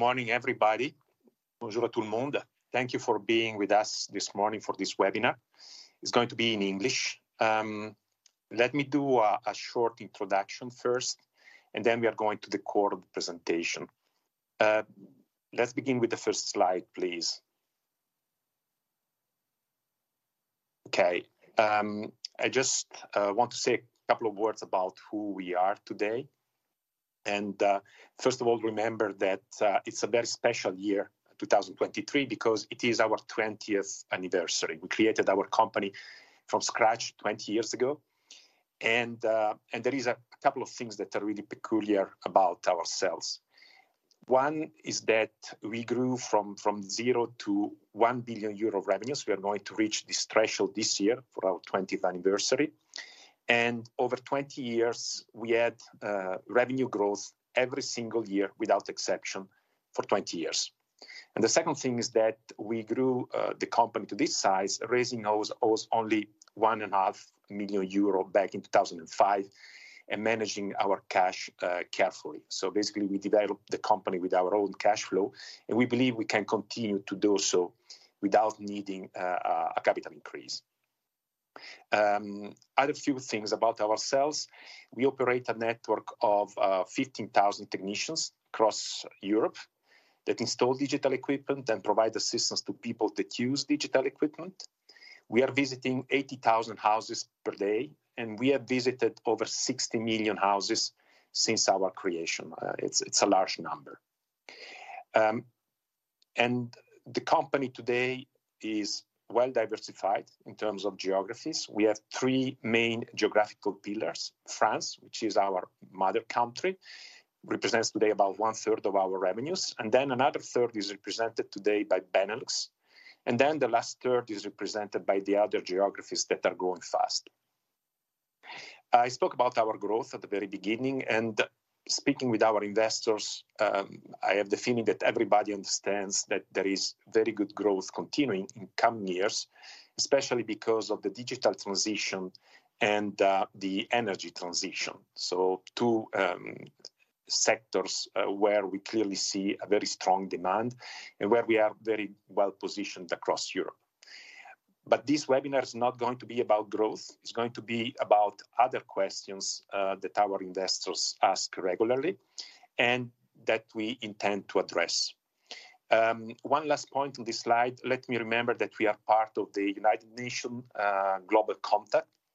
Good morning, everybody. Bonjour, tout le monde. Thank you for being with us this morning for this webinar. It's going to be in English. Let me do a short introduction first, and then we are going to the core of the presentation. Let's begin with the first slide, please. Okay, I just want to say a couple of words about who we are today. First of all, remember that it's a very special year, 2023, because it is our twentieth anniversary. We created our company from scratch 20 years ago, and there is a couple of things that are really peculiar about ourselves. One is that we grew from zero to 1 billion euro revenues. We are going to reach this threshold this year for our 20th anniversary. And over 20 years, we had revenue growth every single year, without exception, for 20 years. And the second thing is that we grew the company to this size, raising only, only 1.5 million euro back in 2005, and managing our cash carefully. So basically, we developed the company with our own cash flow, and we believe we can continue to do so without needing a capital increase. Other few things about ourselves, we operate a network of 15,000 technicians across Europe that install digital equipment and provide assistance to people that use digital equipment. We are visiting 80,000 houses per day, and we have visited over 60 million houses since our creation. It's a large number. And the company today is well diversified in terms of geographies. We have three main geographical pillars. France, which is our mother country, represents today about one third of our revenues, and then another third is represented today by Benelux, and then the last third is represented by the other geographies that are growing fast. I spoke about our growth at the very beginning, and speaking with our investors, I have the feeling that everybody understands that there is very good growth continuing in coming years, especially because of the digital transition and, the energy transition. So two sectors where we clearly see a very strong demand and where we are very well positioned across Europe. But this webinar is not going to be about growth, it's going to be about other questions that our investors ask regularly and that we intend to address. One last point on this slide, let me remember that we are part of the United Nations Global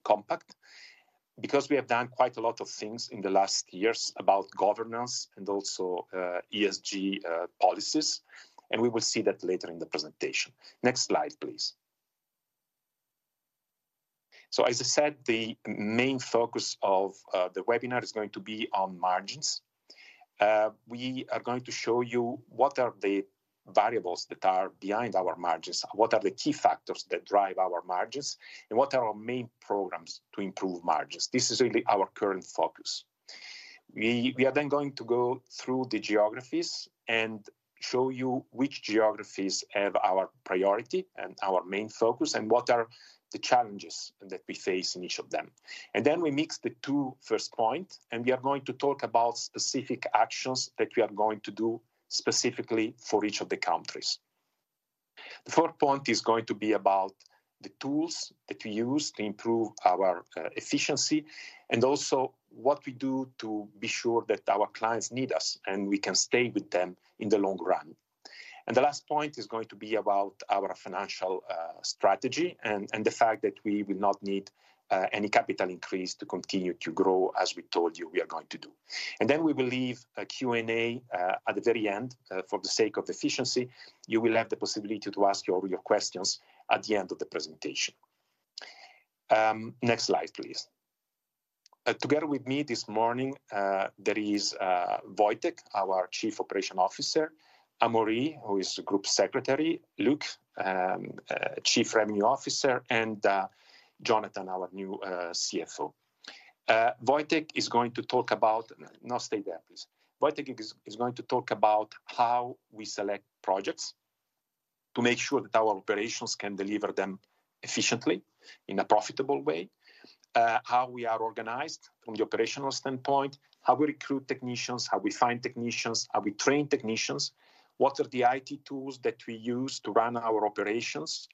Compact, because we have done quite a lot of things in the last years about governance and also ESG policies, and we will see that later in the presentation. Next slide, please. So as I said, the main focus of the webinar is going to be on margins. We are going to show you what are the variables that are behind our margins, what are the key factors that drive our margins, and what are our main programs to improve margins. This is really our current focus. We are then going to go through the geographies and show you which geographies have our priority and our main focus, and what are the challenges that we face in each of them. And then we mix the two first point, and we are going to talk about specific actions that we are going to do specifically for each of the countries. The fourth point is going to be about the tools that we use to improve our efficiency, and also what we do to be sure that our clients need us, and we can stay with them in the long run. And the last point is going to be about our financial strategy, and, and the fact that we will not need any capital increase to continue to grow, as we told you we are going to do. And then we will leave a Q&A at the very end for the sake of efficiency. You will have the possibility to ask all your questions at the end of the presentation. Next slide, please. Together with me this morning, there is Wojciech, our Chief Operating Officer; Amaury, who is the Group Secretary; Luc, Chief Revenue Officer; and Jonathan, our new CFO. Wojciech is going to talk about... No, stay there, please. Wojciech is going to talk about how we select projects to make sure that our operations can deliver them efficiently, in a profitable way. How we are organized from the operational standpoint, how we recruit technicians, how we find technicians, how we train technicians, what are the IT tools that we use to run our operations,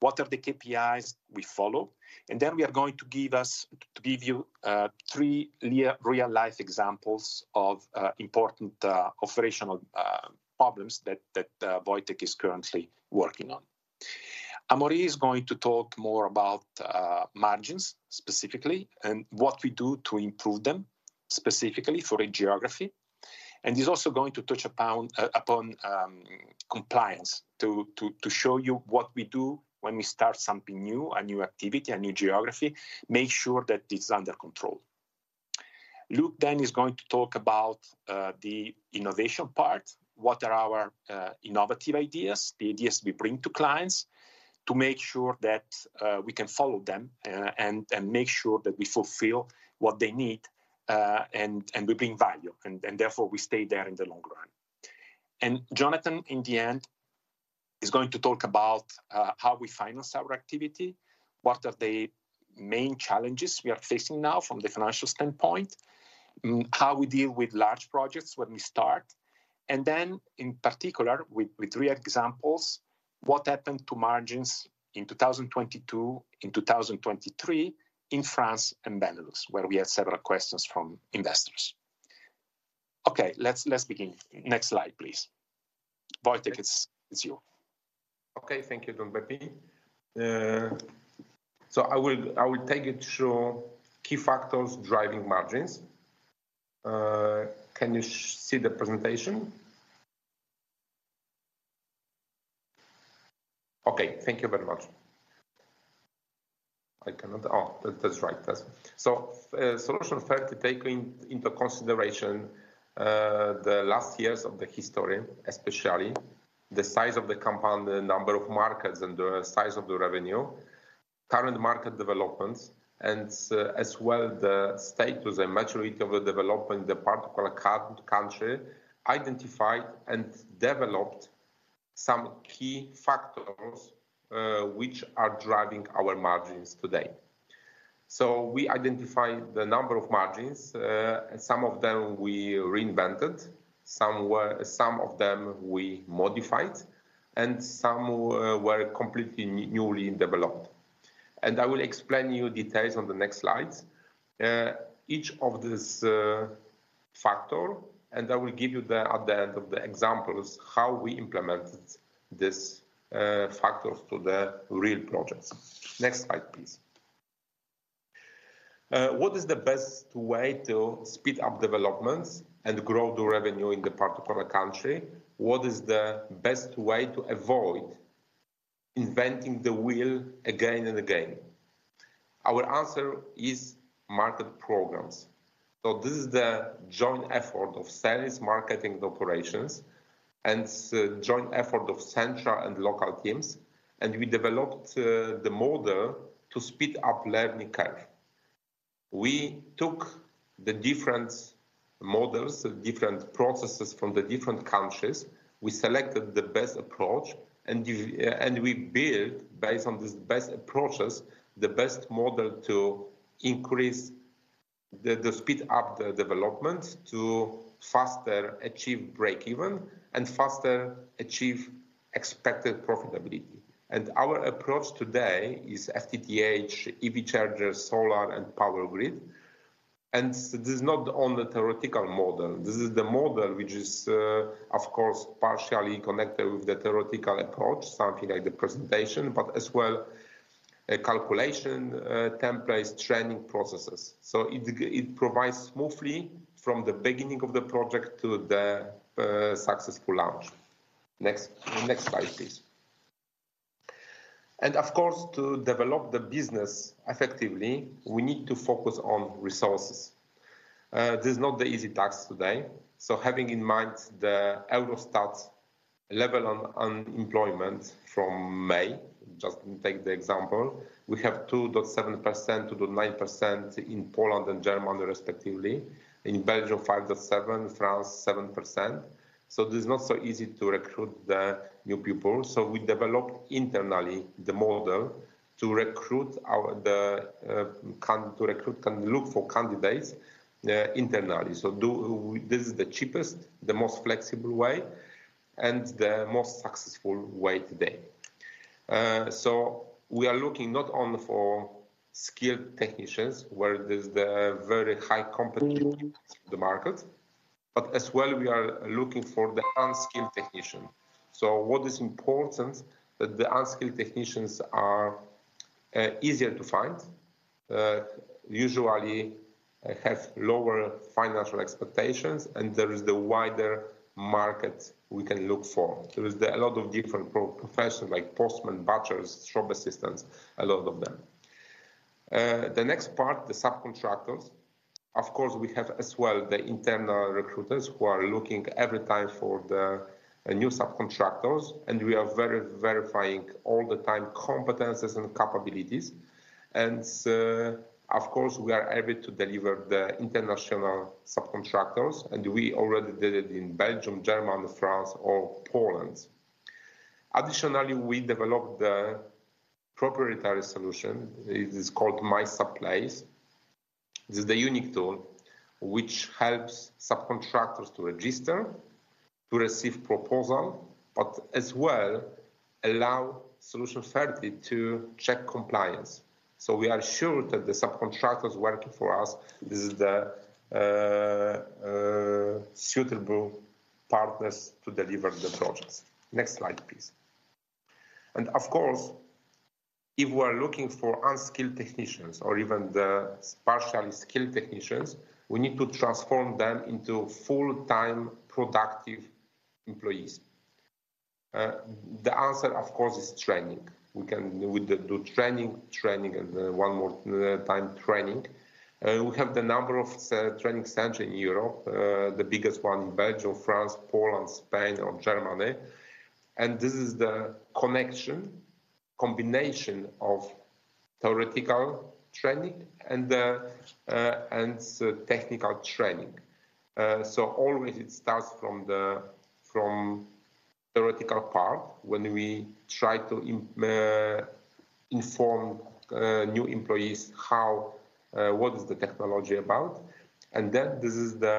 what are the KPIs we follow? And then we are going to give you three real-life examples of important operational problems that Wojciech is currently working on. Amaury is going to talk more about margins specifically, and what we do to improve them, specifically for a geography. And he's also going to touch upon compliance, to show you what we do when we start something new, a new activity, a new geography, make sure that it's under control. Luc then is going to talk about the innovation part. What are our innovative ideas, the ideas we bring to clients, to make sure that we can follow them, and make sure that we fulfill what they need, and we bring value, and therefore we stay there in the long run. And Jonathan, in the end is going to talk about how we finance our activity, what are the main challenges we are facing now from the financial standpoint, how we deal with large projects when we start, and then in particular, with three examples, what happened to margins in 2022, in 2023, in France and Benelux, where we had several questions from investors. Okay, let's, let's begin. Next slide, please. Wojciech, it's, it's you. Okay. Thank you, Gianbeppi. So I will take you through key factors driving margins. Can you see the presentation? Okay, thank you very much. I cannot... Oh, that's right. That's so, Solutions 30, taking into consideration the last years of the history, especially the size of the compound, the number of markets, and the size of the revenue, current market developments, and as well, the status and maturity of the development in the particular country, identified and developed some key factors, which are driving our margins today. So we identified the number of margins, and some of them we reinvented, some of them we modified, and some were completely newly developed. I will explain you details on the next slides, each of this factor, and I will give you, at the end of the examples, how we implemented this factors to the real projects. Next slide, please. What is the best way to speed up developments and grow the revenue in the particular country? What is the best way to avoid inventing the wheel again and again? Our answer is market programs. This is the joint effort of sales, marketing, and operations, and joint effort of central and local teams, and we developed the model to speed up learning curve. We took the different models, different processes from the different countries. We selected the best approach, and we built, based on these best approaches, the best model to increase the speed up the development, to faster achieve breakeven and faster achieve expected profitability. And our approach today is FTTH, EV charger, solar, and power grid. And this is not only theoretical model, this is the model which is, of course, partially connected with the theoretical approach, something like the presentation, but as well, a calculation templates, training processes. So it provides smoothly from the beginning of the project to the successful launch. Next, next slide, please. And of course, to develop the business effectively, we need to focus on resources. This is not the easy task today. So having in mind the Eurostat level on unemployment from May, just take the example, we have 2.7%-9% in Poland and Germany, respectively. In Belgium, 5.7%, France, 7%. So it is not so easy to recruit the new people. So we developed internally the model to recruit our candidates internally. So this is the cheapest, the most flexible way, and the most successful way today. So we are looking not only for skilled technicians, where there's the very high competition in the market, but as well, we are looking for the unskilled technician. So what is important, that the unskilled technicians are easier to find, usually have lower financial expectations, and there is the wider market we can look for. There is a lot of different professions like postman, butchers, shop assistants, a lot of them. The next part, the subcontractors. Of course, we have as well the internal recruiters who are looking every time for the new subcontractors, and we are very verifying all the time competencies and capabilities. And, of course, we are able to deliver the international subcontractors, and we already did it in Belgium, Germany, France, or Poland. Additionally, we developed the proprietary solution. It is called MySupplace. This is a unique tool which helps subcontractors to register, to receive proposal, but as well, allow Solutions 30 to check compliance. So we are sure that the subcontractors working for us, this is the suitable partners to deliver the projects. Next slide, please. Of course, if we're looking for unskilled technicians or even the partially skilled technicians, we need to transform them into full-time, productive employees. The answer, of course, is training. We do training, training, and one more time training. We have the number of training centers in Europe, the biggest one in Belgium, France, Poland, Spain, or Germany. And this is the combination of theoretical training and technical training. So always it starts from the theoretical part, when we try to inform new employees how what is the technology about. And then this is the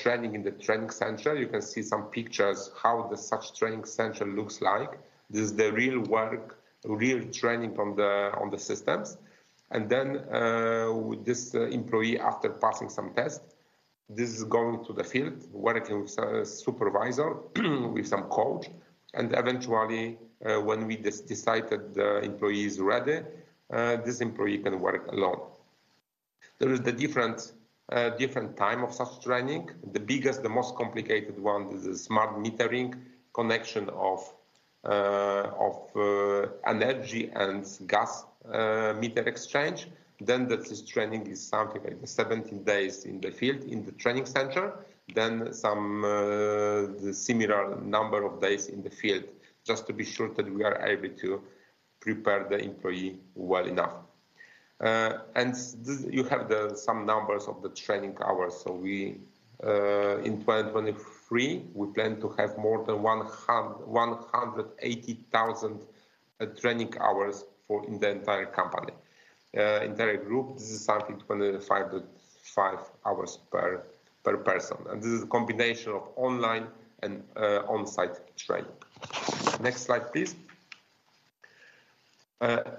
training in the training center. You can see some pictures, how such training center looks like. This is the real work, real training on the systems. Then, this employee, after passing some tests, is going to the field, working with a supervisor, with some coach. Eventually, when we decide that the employee is ready, this employee can work alone. There is the different time of such training. The biggest, the most complicated one is the smart metering connection of energy and gas meter exchange. Then this training is something like 17 days in the field, in the training center, then some similar number of days in the field, just to be sure that we are able to prepare the employee well enough. And this, you have the some numbers of the training hours. So we in 2023, we plan to have more than 180,000 training hours for the entire company, entire group. This is something 25-50 hours per person, and this is a combination of online and on-site training. Next slide, please.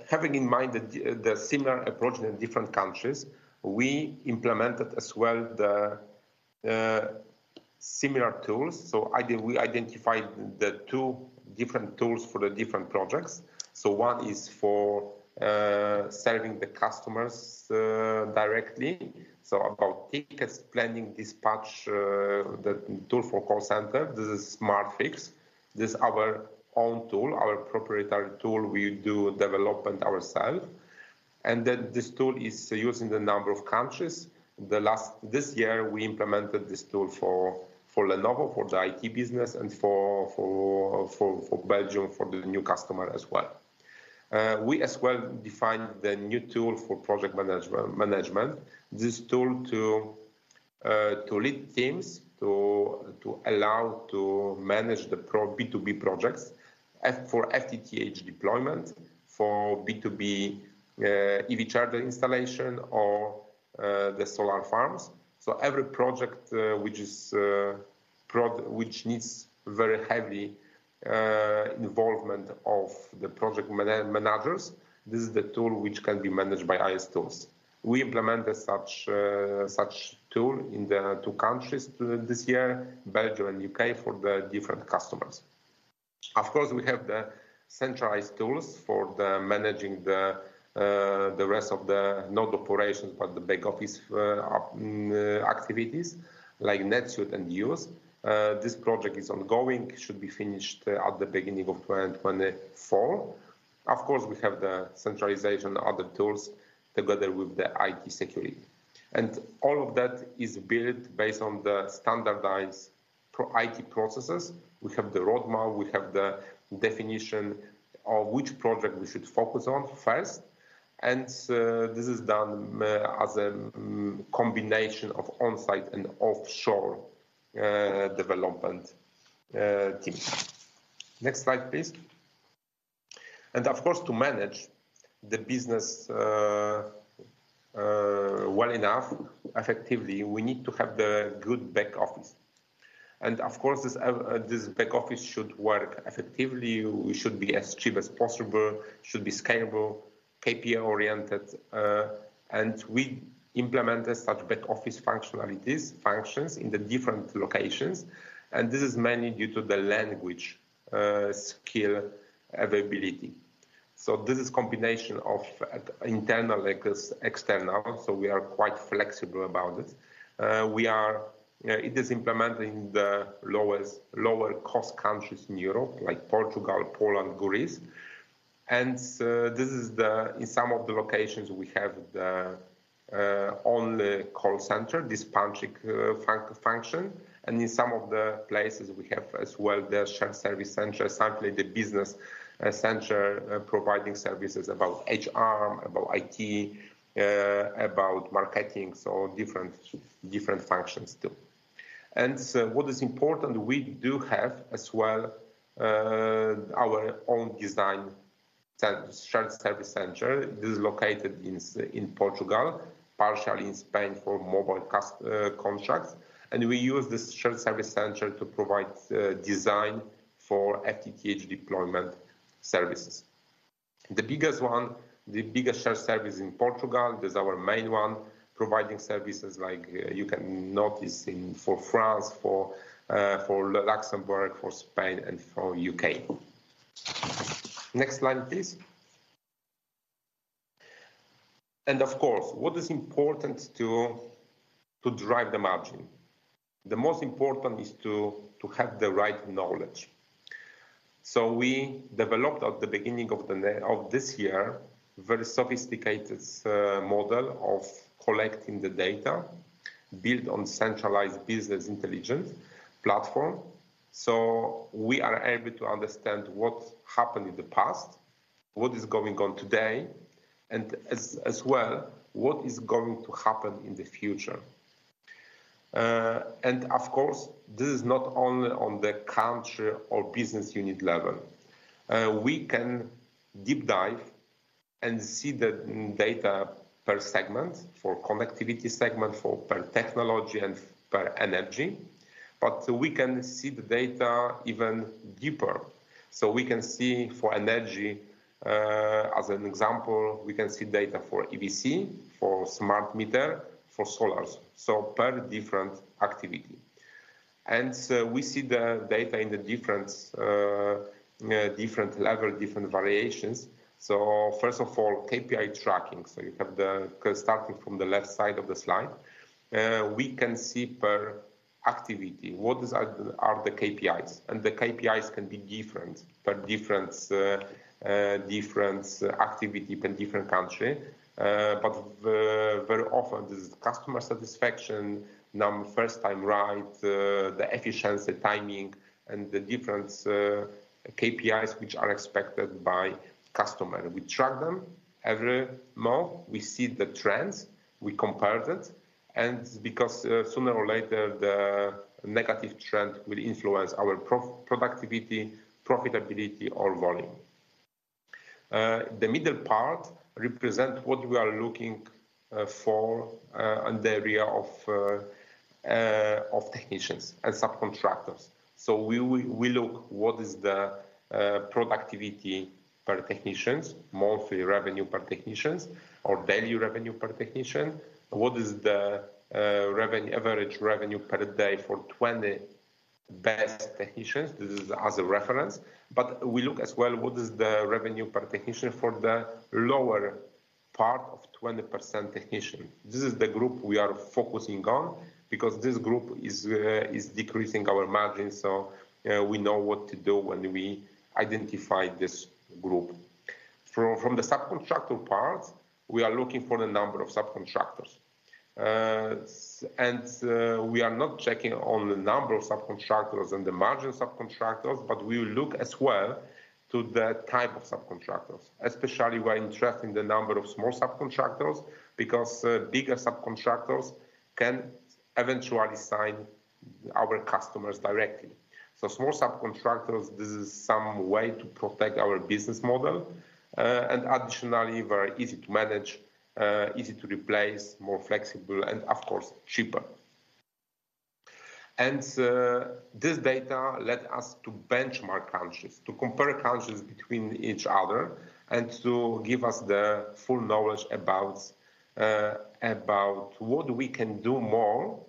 Having in mind the similar approach in different countries, we implemented as well the similar tools. So we identified the two different tools for the different projects. So one is for serving the customers directly, so about tickets, planning, dispatch, the tool for call center. This is Smartfix. This is our own tool, our proprietary tool. We do development ourselves, and then this tool is used in a number of countries. The last... This year, we implemented this tool for Lenovo, for the IT business, and for Belgium, for the new customer as well. We as well defined the new tool for project management. This tool to lead teams, to allow to manage the B2B projects, for FTTH deployment, for B2B, EV charger installation or the solar farms. So every project which needs very heavy involvement of the project managers, this is the tool which can be managed by IS tools. We implemented such tool in the two countries this year, Belgium and U.K. for the different customers. Of course, we have the centralized tools for managing the rest of the non-operational, but the back-office activities like NetSuite and Yooz. This project is ongoing, should be finished at the beginning of 2024. Of course, we have the centralization, other tools together with the IT security. And all of that is built based on the standardized processes, IT processes. We have the roadmap, we have the definition of which project we should focus on first, and this is done as a combination of on-site and offshore development teams. Next slide, please. And of course, to manage the business well enough, effectively, we need to have the good back office. And of course, this back office should work effectively, it should be as cheap as possible, should be scalable, KPI-oriented. And we implemented such back office functionalities, functions in the different locations, and this is mainly due to the language skill availability. So this is combination of internal like external, so we are quite flexible about it. It is implemented in the lowest, lower-cost countries in Europe, like Portugal, Poland, Greece. And in some of the locations, we have the call center, dispatching function, and in some of the places we have as well the shared service center, simply the business center providing services about HR, about IT, about marketing, so different functions too. And what is important, we do have as well our own design shared service center. This is located in Portugal, partially in Spain, for mobile customer contracts. And we use this shared service center to provide design for FTTH deployment services. The biggest one, the biggest shared service in Portugal, that's our main one, providing services like you can notice in for France, for Luxembourg, for Spain, and for U.K. Next slide, please. And of course, what is important to drive the margin? The most important is to have the right knowledge. So we developed at the beginning of this year, very sophisticated model of collecting the data built on centralized business intelligence platform. So we are able to understand what happened in the past, what is going on today, and as well, what is going to happen in the future. And of course, this is not only on the country or business unit level. We can deep dive and see the data per segment, for connectivity segment, per technology, and per energy. But we can see the data even deeper. So we can see for energy, as an example, we can see data for EVC, for smart meter, for solars, so per different activity. And so we see the data in the different level, different variations. So first of all, KPI tracking. So you have the starting from the left side of the slide, we can see per activity, what are the KPIs? And the KPIs can be different, per different activity, per different country. But very often, this is customer satisfaction, NPS, First Time Right, the efficiency, timing, and the different KPIs, which are expected by customer. We track them every month. We see the trends, we compare it, and because sooner or later, the negative trend will influence our productivity, profitability, or volume. The middle part represent what we are looking for in the area of technicians and subcontractors. So we will, we look what is the productivity per technicians, monthly revenue per technicians, or daily revenue per technician. What is the revenue, average revenue per day for 20 best technicians? This is as a reference, but we look as well, what is the revenue per technician for the lower part of 20% technician? This is the group we are focusing on because this group is decreasing our margin, so we know what to do when we identify this group. From the subcontractor part, we are looking for the number of subcontractors. And we are not checking on the number of subcontractors and the margin subcontractors, but we look as well to the type of subcontractors. Especially, we are interested in the number of small subcontractors, because bigger subcontractors can eventually sign our customers directly. So small subcontractors, this is some way to protect our business model, and additionally, very easy to manage, easy to replace, more flexible, and of course, cheaper. And this data led us to benchmark countries, to compare countries between each other, and to give us the full knowledge about about what we can do more,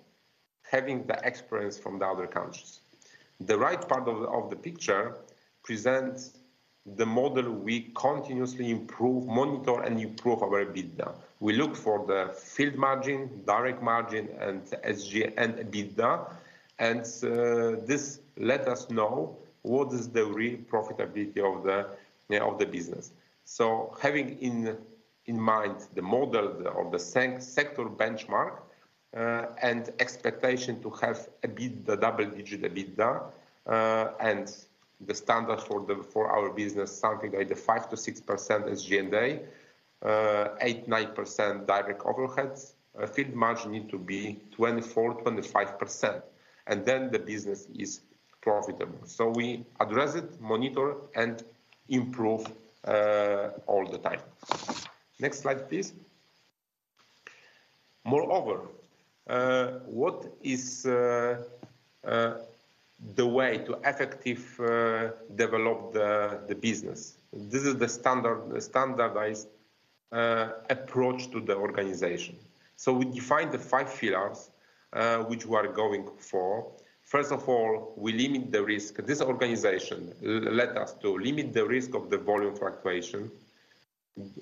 having the experience from the other countries. The right part of the picture presents the model we continuously improve, monitor, and improve our EBITDA. We look for the field margin, direct margin, and SG&A and EBITDA, and this let us know what is the real profitability of the of the business. So having in mind the model of the same sector benchmark, and expectation to have EBITDA, double-digit EBITDA, and the standard for our business, something like the 5%-6% SG&A, 8%-9% direct overheads, field margin need to be 24%-25%, and then the business is profitable. So we address it, monitor, and improve all the time. Next slide, please. Moreover, what is the way to effectively develop the business? This is the standard, standardized approach to the organization. So we define the five pillars which we are going for. First of all, we limit the risk. This organization led us to limit the risk of the volume fluctuation,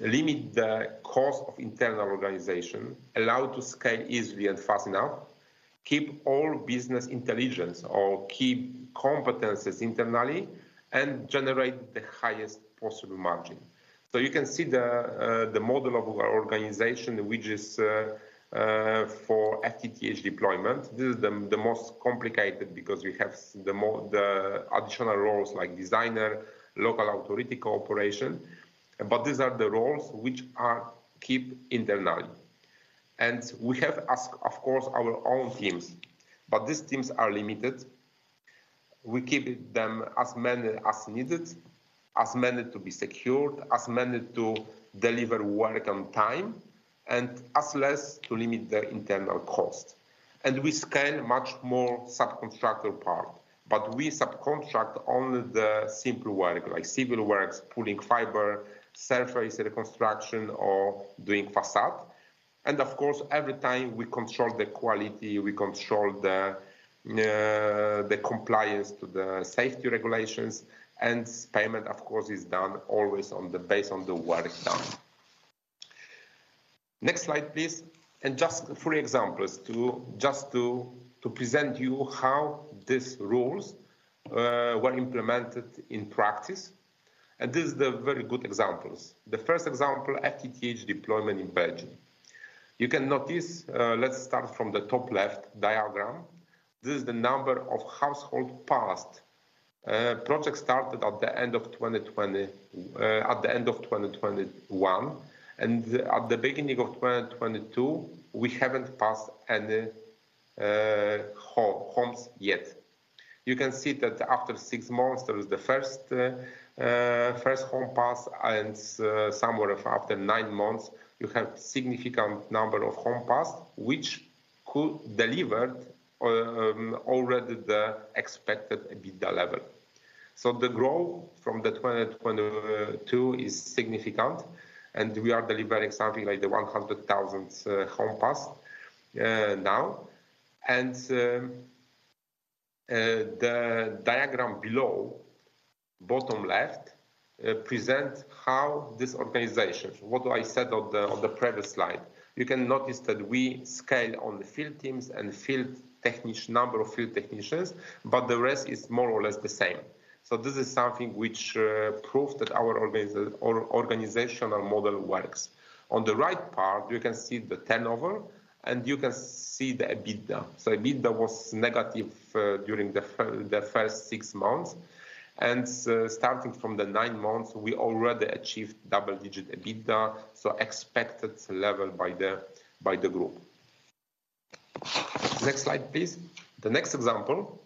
limit the cost of internal organization, allow to scale easily and fast enough, keep all business intelligence or keep competences internally, and generate the highest possible margin. So you can see the model of our organization, which is for FTTH deployment. This is the most complicated because we have the more, the additional roles like designer, local authority cooperation, but these are the roles which are keep internal. And we have of course, our own teams, but these teams are limited. We keep them as many as needed, as many to be secured, as many to deliver work on time, and as less to limit the internal cost. And we scale much more subcontractor part, but we subcontract only the simple work, like civil works, pulling fiber, surface reconstruction, or doing facade. And of course, every time we control the quality, we control the compliance to the safety regulations, and payment, of course, is done always on the base, on the work done. Next slide, please. And just three examples to present you how these rules were implemented in practice. And this is the very good examples. The first example, FTTH deployment in Belgium. You can notice, let's start from the top left diagram. This is the number of homes passed. Project started at the end of 2020, at the end of 2021, and at the beginning of 2022, we haven't passed any homes yet. You can see that after six months, there is the first homes passed, and somewhere after nine months, you have significant number of homes passed, which could delivered already the expected EBITDA level. So the growth from 2022 is significant, and we are delivering something like the 100,000 homes passed now. The diagram below, bottom left, present how this organization, what I said on the previous slide. You can notice that we scale on the field teams and field technicians number of field technicians, but the rest is more or less the same. So this is something which proves that our organizational model works. On the right part, you can see the turnover, and you can see the EBITDA. So EBITDA was negative during the first six months, and starting from the nine months, we already achieved double-digit EBITDA, so expected level by the group. Next slide, please. The next example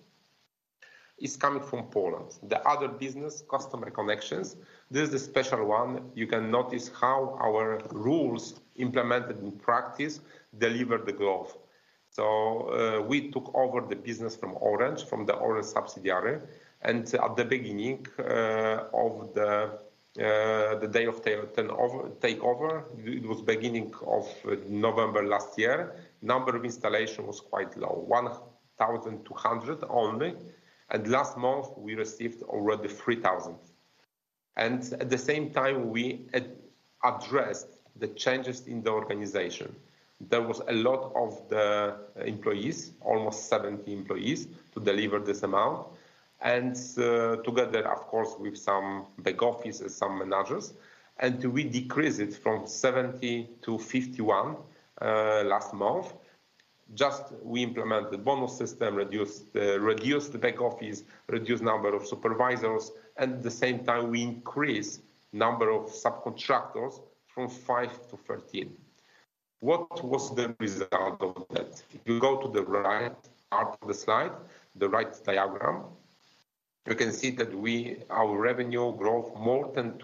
is coming from Poland. The other business, customer connections, this is a special one. You can notice how our rules implemented in practice delivered the growth. So we took over the business from Orange, from the Orange subsidiary, and at the beginning of the day of takeover, it was beginning of November last year, number of installation was quite low, 1,200 only, and last month we received already 3,000. And at the same time, we addressed the changes in the organization. There was a lot of the employees, almost 70 employees, to deliver this amount, and, together, of course, with some back office and some managers, and we decrease it from 70 to 51 last month. Just we implemented bonus system, reduced the back office, reduced number of supervisors, and at the same time, we increased number of subcontractors from 5 to 13. What was the result of that? If you go to the right part of the slide, the right diagram, you can see that our revenue growth more than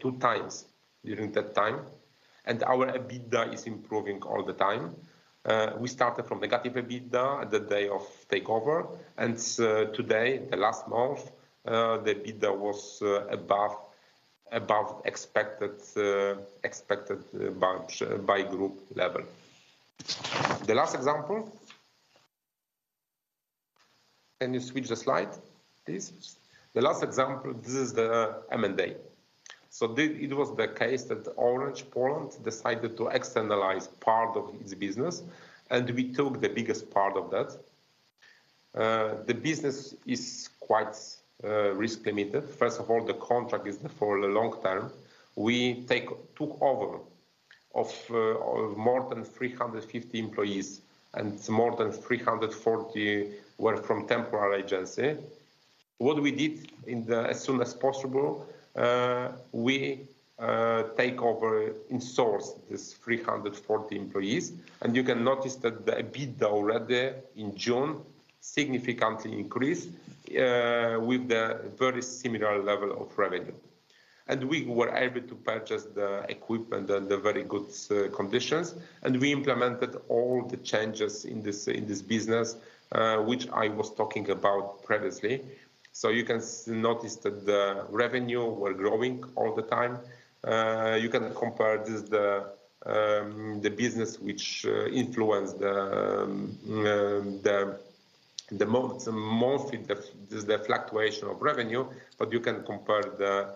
two times during that time, and our EBITDA is improving all the time. We started from negative EBITDA the day of takeover, and, today, the last month, the EBITDA was above expected by group level. The last example... Can you switch the slide, please? The last example, this is the M&A. So it was the case that Orange Poland decided to externalize part of its business, and we took the biggest part of that. The business is quite risk limited. First of all, the contract is for the long term. We took over more than 350 employees, and more than 340 were from temporary agency. What we did as soon as possible, we took over in-source these 340 employees, and you can notice that the EBITDA already in June significantly increased with the very similar level of revenue. And we were able to purchase the equipment under very good conditions, and we implemented all the changes in this business which I was talking about previously. So you can notice that the revenue were growing all the time. You can compare this, the business which influenced the monthly fluctuation of revenue, but you can compare the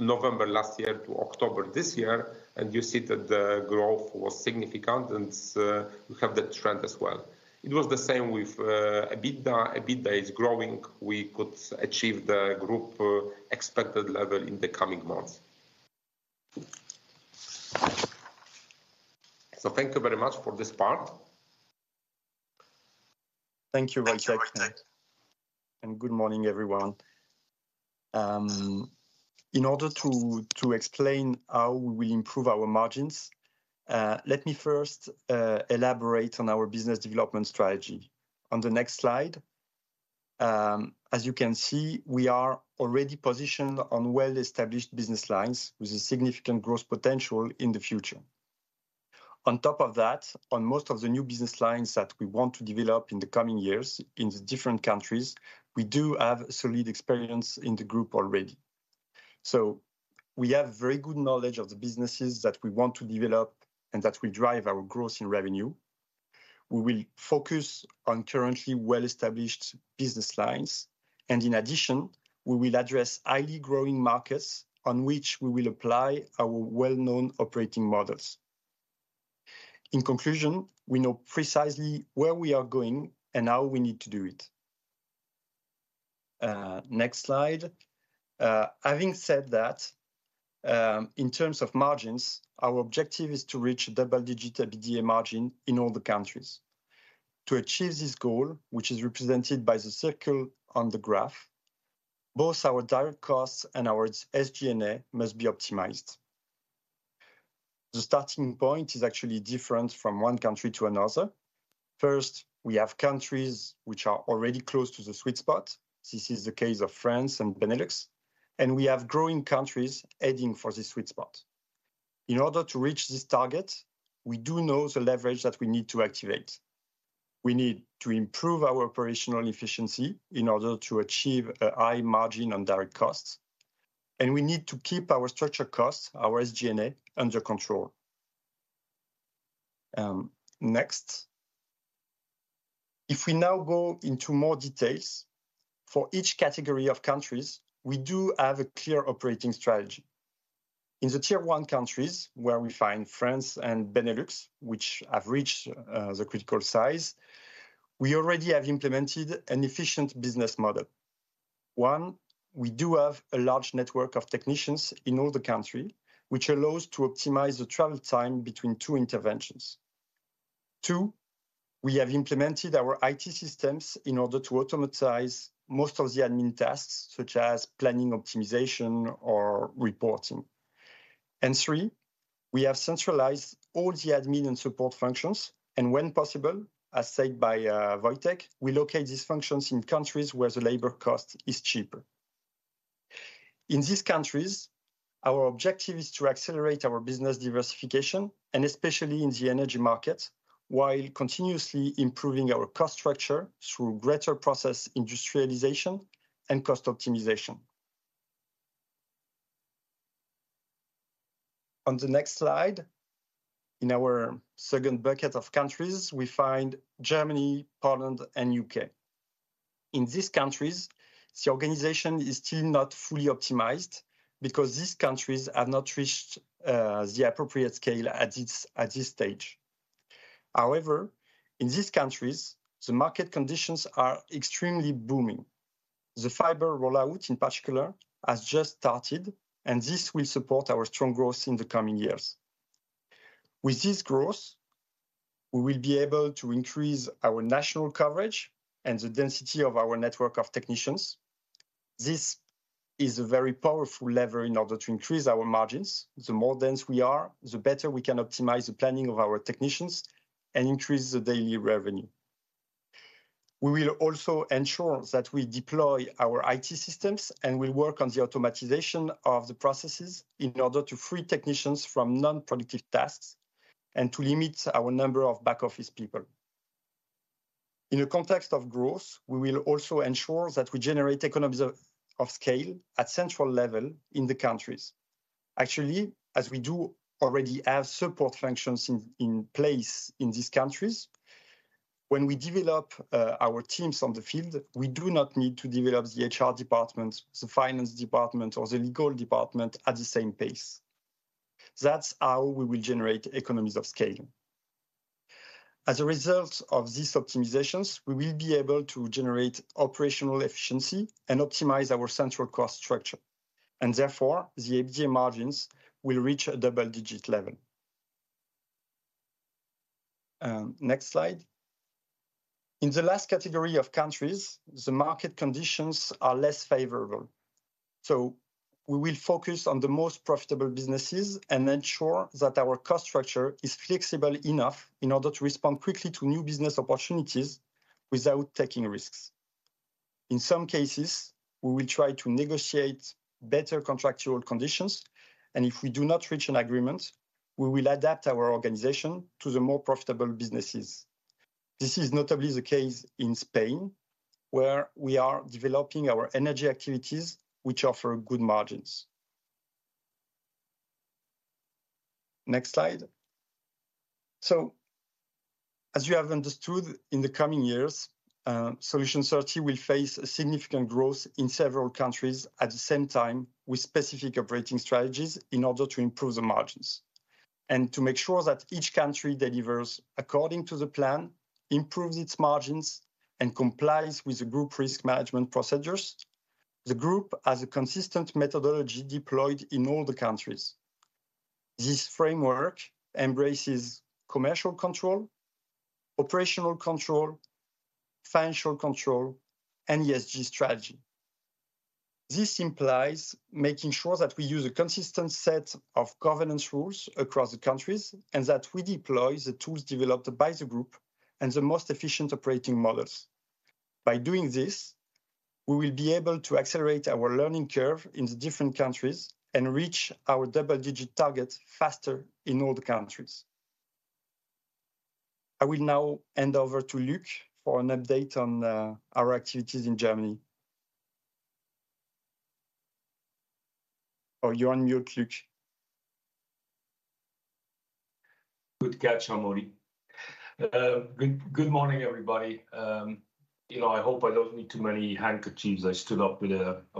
November last year to October this year, and you see that the growth was significant, and you have the trend as well. It was the same with EBITDA. EBITDA is growing. We could achieve the group expected level in the coming months. So thank you very much for this part. Thank you, Wojciech. Good morning, everyone. In order to explain how we improve our margins, let me first elaborate on our business development strategy. On the next slide, as you can see, we are already positioned on well-established business lines with a significant growth potential in the future. On top of that, on most of the new business lines that we want to develop in the coming years in the different countries, we do have solid experience in the group already. So we have very good knowledge of the businesses that we want to develop and that will drive our growth in revenue. We will focus on currently well-established business lines, and in addition, we will address highly growing markets on which we will apply our well-known operating models.... In conclusion, we know precisely where we are going and how we need to do it. Next slide. Having said that, in terms of margins, our objective is to reach double-digit EBITDA margin in all the countries. To achieve this goal, which is represented by the circle on the graph, both our direct costs and our SG&A must be optimized. The starting point is actually different from one country to another. First, we have countries which are already close to the sweet spot. This is the case of France and Benelux, and we have growing countries heading for the sweet spot. In order to reach this target, we do know the leverage that we need to activate. We need to improve our operational efficiency in order to achieve a high margin on direct costs, and we need to keep our structure costs, our SG&A, under control. Next. If we now go into more details, for each category of countries, we do have a clear operating strategy. In the tier one countries, where we find France and Benelux, which have reached the critical size, we already have implemented an efficient business model. One, we do have a large network of technicians in all the country, which allows to optimize the travel time between two interventions. Two, we have implemented our IT systems in order to automate most of the admin tasks, such as planning, optimization, or reporting. And three, we have centralized all the admin and support functions, and when possible, as said by Wojciech, we locate these functions in countries where the labor cost is cheaper. In these countries, our objective is to accelerate our business diversification, and especially in the energy market, while continuously improving our cost structure through greater process industrialization and cost optimization. On the next slide, in our second bucket of countries, we find Germany, Poland, and U.K. In these countries, the organization is still not fully optimized because these countries have not reached the appropriate scale at this stage. However, in these countries, the market conditions are extremely booming. The fiber rollout, in particular, has just started, and this will support our strong growth in the coming years. With this growth, we will be able to increase our national coverage and the density of our network of technicians. This is a very powerful lever in order to increase our margins. The more dense we are, the better we can optimize the planning of our technicians and increase the daily revenue. We will also ensure that we deploy our IT systems, and we work on the automation of the processes in order to free technicians from non-productive tasks and to limit our number of back office people. In a context of growth, we will also ensure that we generate economies of scale at central level in the countries. Actually, as we do already have support functions in place in these countries, when we develop our teams on the field, we do not need to develop the HR department, the finance department, or the legal department at the same pace. That's how we will generate economies of scale. As a result of these optimizations, we will be able to generate operational efficiency and optimize our central cost structure, and therefore, the EBITDA margins will reach a double-digit level. Next slide. In the last category of countries, the market conditions are less favorable. We will focus on the most profitable businesses and ensure that our cost structure is flexible enough in order to respond quickly to new business opportunities without taking risks. In some cases, we will try to negotiate better contractual conditions, and if we do not reach an agreement, we will adapt our organization to the more profitable businesses. This is notably the case in Spain, where we are developing our energy activities, which offer good margins. Next slide. As you have understood, in the coming years, Solutions 30 will face a significant growth in several countries, at the same time, with specific operating strategies in order to improve the margins. To make sure that each country delivers according to the plan, improves its margins, and complies with the group risk management procedures, the group has a consistent methodology deployed in all the countries. This framework embraces commercial control, operational control, financial control, and ESG strategy. This implies making sure that we use a consistent set of governance rules across the countries and that we deploy the tools developed by the group and the most efficient operating models. By doing this, we will be able to accelerate our learning curve in the different countries and reach our double-digit target faster in all the countries I will now hand over to Luc for an update on our activities in Germany. Oh, you're on mute, Luc. Good catch, Amaury. Good morning, everybody. You know, I hope I don't need too many handkerchiefs. I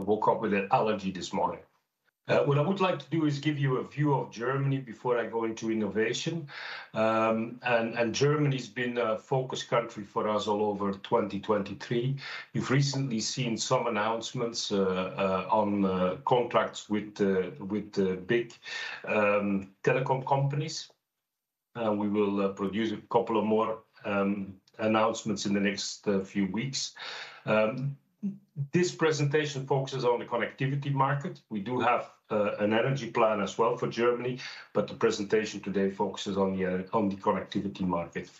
woke up with an allergy this morning. What I would like to do is give you a view of Germany before I go into innovation. Germany's been a focus country for us all over 2023. You've recently seen some announcements on contracts with the big telecom companies. We will produce a couple more announcements in the next few weeks. This presentation focuses on the connectivity market. We do have an energy plan as well for Germany, but the presentation today focuses on the connectivity market.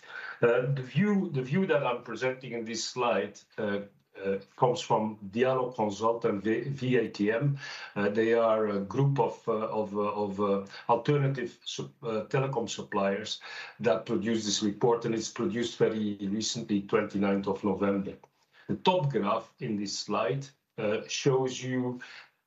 The view that I'm presenting in this slide comes from Dialog Consult and VATM. They are a group of alternative telecom suppliers that produce this report, and it's produced very recently, 29th of November. The top graph in this slide shows you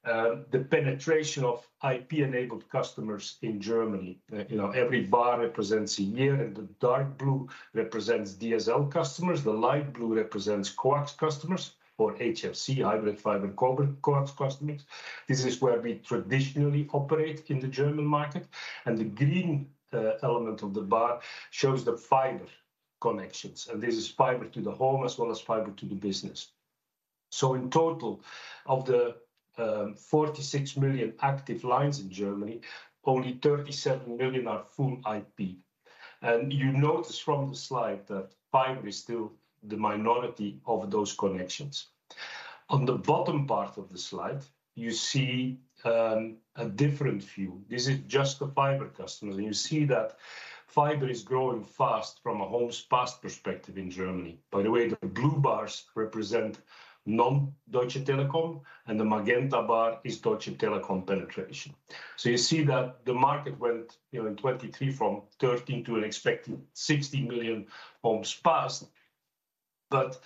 the penetration of IP-enabled customers in Germany. You know, every bar represents a year, and the dark blue represents DSL customers. The light blue represents coax customers or HFC, hybrid fiber coax, coax customers. This is where we traditionally operate in the German market. And the green element of the bar shows the fiber connections, and this is fiber to the home as well as fiber to the business. So in total, of the 46 million active lines in Germany, only 37 million are full IP. And you notice from the slide that fiber is still the minority of those connections. On the bottom part of the slide, you see a different view. This is just the fiber customers, and you see that fiber is growing fast from a homes passed perspective in Germany. By the way, the blue bars represent non-Deutsche Telekom, and the magenta bar is Deutsche Telekom penetration. So you see that the market went, you know, in 2023 from 13 million to an expected 60 million homes passed. But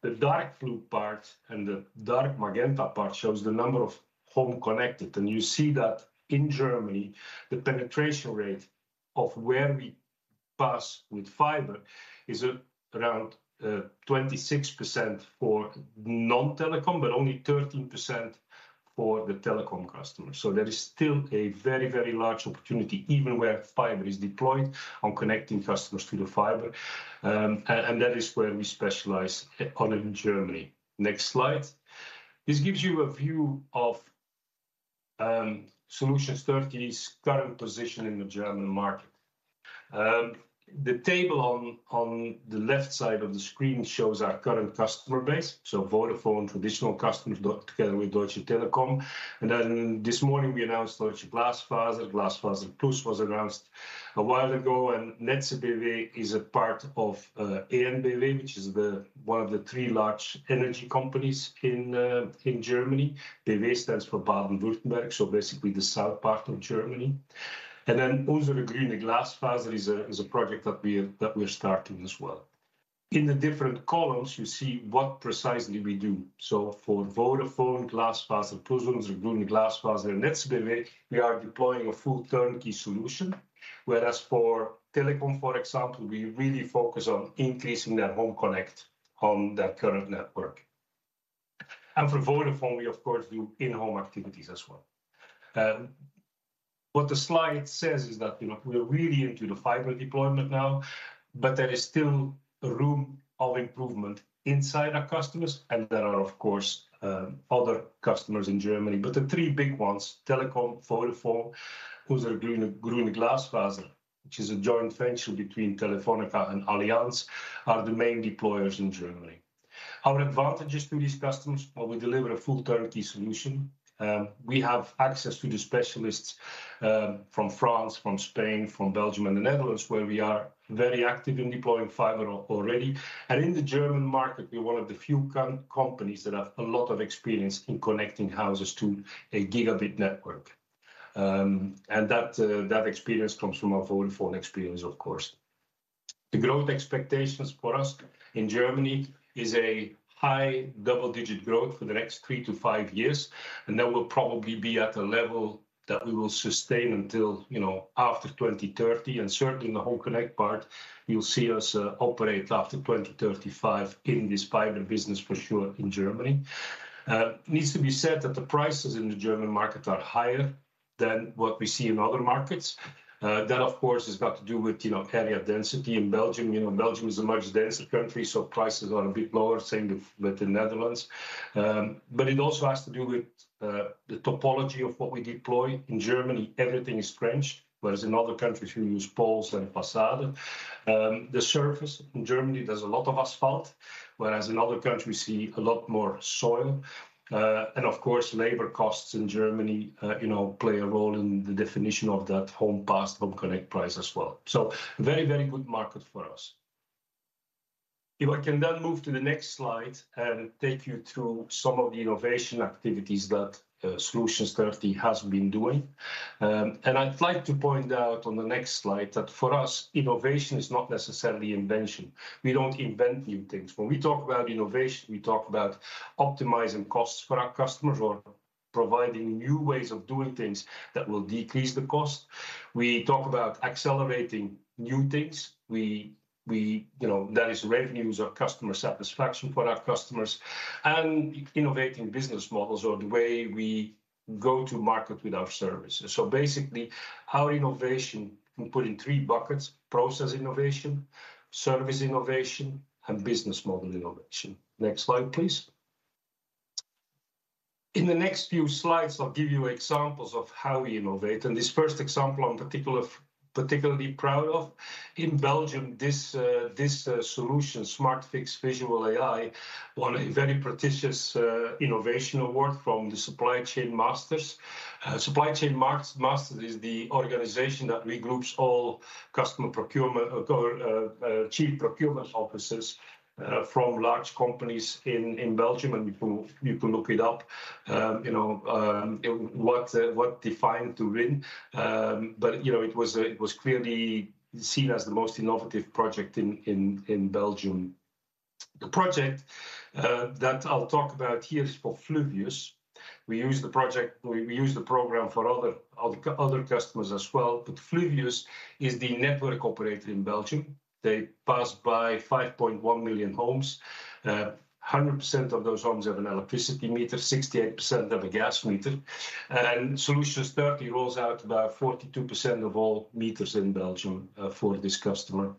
the dark blue part and the dark magenta part shows the number of home connected. And you see that in Germany, the penetration rate of where we pass with fiber is around 26% for non-Telekom, but only 13% for the Telekom customers. So there is still a very, very large opportunity, even where fiber is deployed, on connecting customers to the fiber. And that is where we specialize on in Germany. Next slide. This gives you a view of Solutions 30's current position in the German market. The table on the left side of the screen shows our current customer base, so Vodafone traditional customers together with Deutsche Telekom. And then this morning we announced Deutsche Glasfaser. GlasfaserPlus was announced a while ago, and Netze BW is a part of EnBW, which is one of the three large energy companies in Germany. BW stands for Baden-Württemberg, so basically the south part of Germany. And then Unsere Grüne Glasfaser is a project that we're starting as well. In the different columns, you see what precisely we do. So for Vodafone, GlasfaserPlus, Unsere Grüne Glasfaser, and Netze BW, we are deploying a full turnkey solution, whereas for Telekom, for example, we really focus on increasing their home connect on their current network. And for Vodafone, we of course do in-home activities as well. What the slide says is that, you know, we are really into the fiber deployment now, but there is still room of improvement inside our customers, and there are, of course, other customers in Germany. But the three big ones, Telekom, Vodafone, Unsere Grüne Glasfaser, which is a joint venture between Telefónica and Allianz, are the main deployers in Germany. Our advantages to these customers are we deliver a full turnkey solution. We have access to the specialists from France, from Spain, from Belgium and the Netherlands, where we are very active in deploying fiber already. In the German market, we're one of the few companies that have a lot of experience in connecting houses to a gigabit network. And that experience comes from our Vodafone experience, of course. The growth expectations for us in Germany is a high double-digit growth for the next three to five years, and that will probably be at a level that we will sustain until, you know, after 2030. And certainly in the whole connect part, you'll see us operate after 2035 in this fiber business for sure in Germany. Needs to be said that the prices in the German market are higher than what we see in other markets. That, of course, has got to do with, you know, carrier density. In Belgium, you know, Belgium is a much denser country, so prices are a bit lower, same with the Netherlands. But it also has to do with the topology of what we deploy. In Germany, everything is trenched, whereas in other countries we use poles and façade. The surface in Germany, there's a lot of asphalt, whereas in other countries we see a lot more soil. And of course, labor costs in Germany, you know, play a role in the definition of that homes passed, home connected price as well. So very, very good market for us. If I can then move to the next slide and take you through some of the innovation activities that Solutions 30 has been doing. And I'd like to point out on the next slide that for us, innovation is not necessarily invention. We don't invent new things. When we talk about innovation, we talk about optimizing costs for our customers or providing new ways of doing things that will decrease the cost. We talk about accelerating new things. You know, that is revenues or customer satisfaction for our customers, and innovating business models or the way we go to market with our services. So basically, how innovation can put in three buckets: process innovation, service innovation, and business model innovation. Next slide, please. In the next few slides, I'll give you examples of how we innovate, and this first example I'm particularly proud of. In Belgium, this solution, Smartfix Visual AI, won a very prestigious innovation award from the Supply Chain Masters. Supply Chain Masters is the organization that regroups all customer procurement, chief procurement officers, from large companies in Belgium, and you can look it up. You know, what they fighting to win. But, you know, it was clearly seen as the most innovative project in Belgium. The project that I'll talk about here is for Fluvius. We use the program for other customers as well, but Fluvius is the network operator in Belgium. They pass by 5.1 million homes. 100% of those homes have an electricity meter, 68% have a gas meter. Solutions 30 rolls out about 42% of all meters in Belgium for this customer.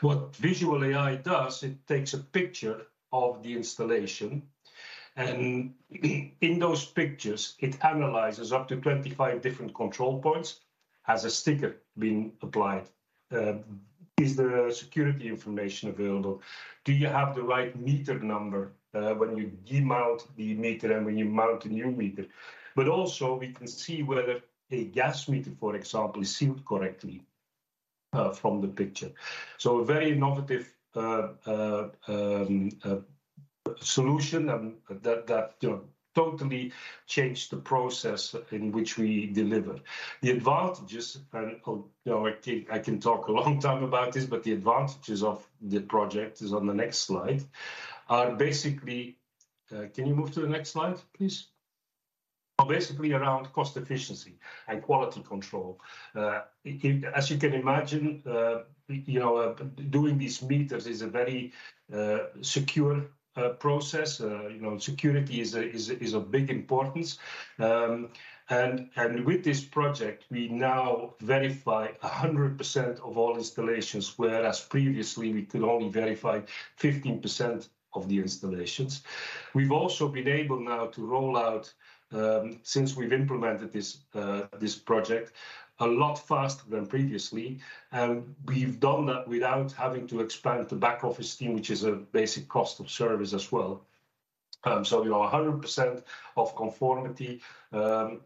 What Visual AI does, it takes a picture of the installation, and in those pictures, it analyzes up to 25 different control points. Has a sticker been applied? Is there security information available? Do you have the right meter number, when you demount the meter and when you mount a new meter? But also we can see whether a gas meter, for example, is sealed correctly, from the picture. So a very innovative, solution and that, that, you know, totally changed the process in which we deliver. The advantages and, you know, I think I can talk a long time about this, but the advantages of the project is on the next slide, are basically... Can you move to the next slide, please? Are basically around cost efficiency and quality control. It, as you can imagine, you know, doing these meters is a very secure process. You know, security is a big importance. And with this project, we now verify 100% of all installations, whereas previously we could only verify 15% of the installations. We've also been able now to roll out, since we've implemented this project, a lot faster than previously, and we've done that without having to expand the back office team, which is a basic cost of service as well. So, you know, 100% of conformity with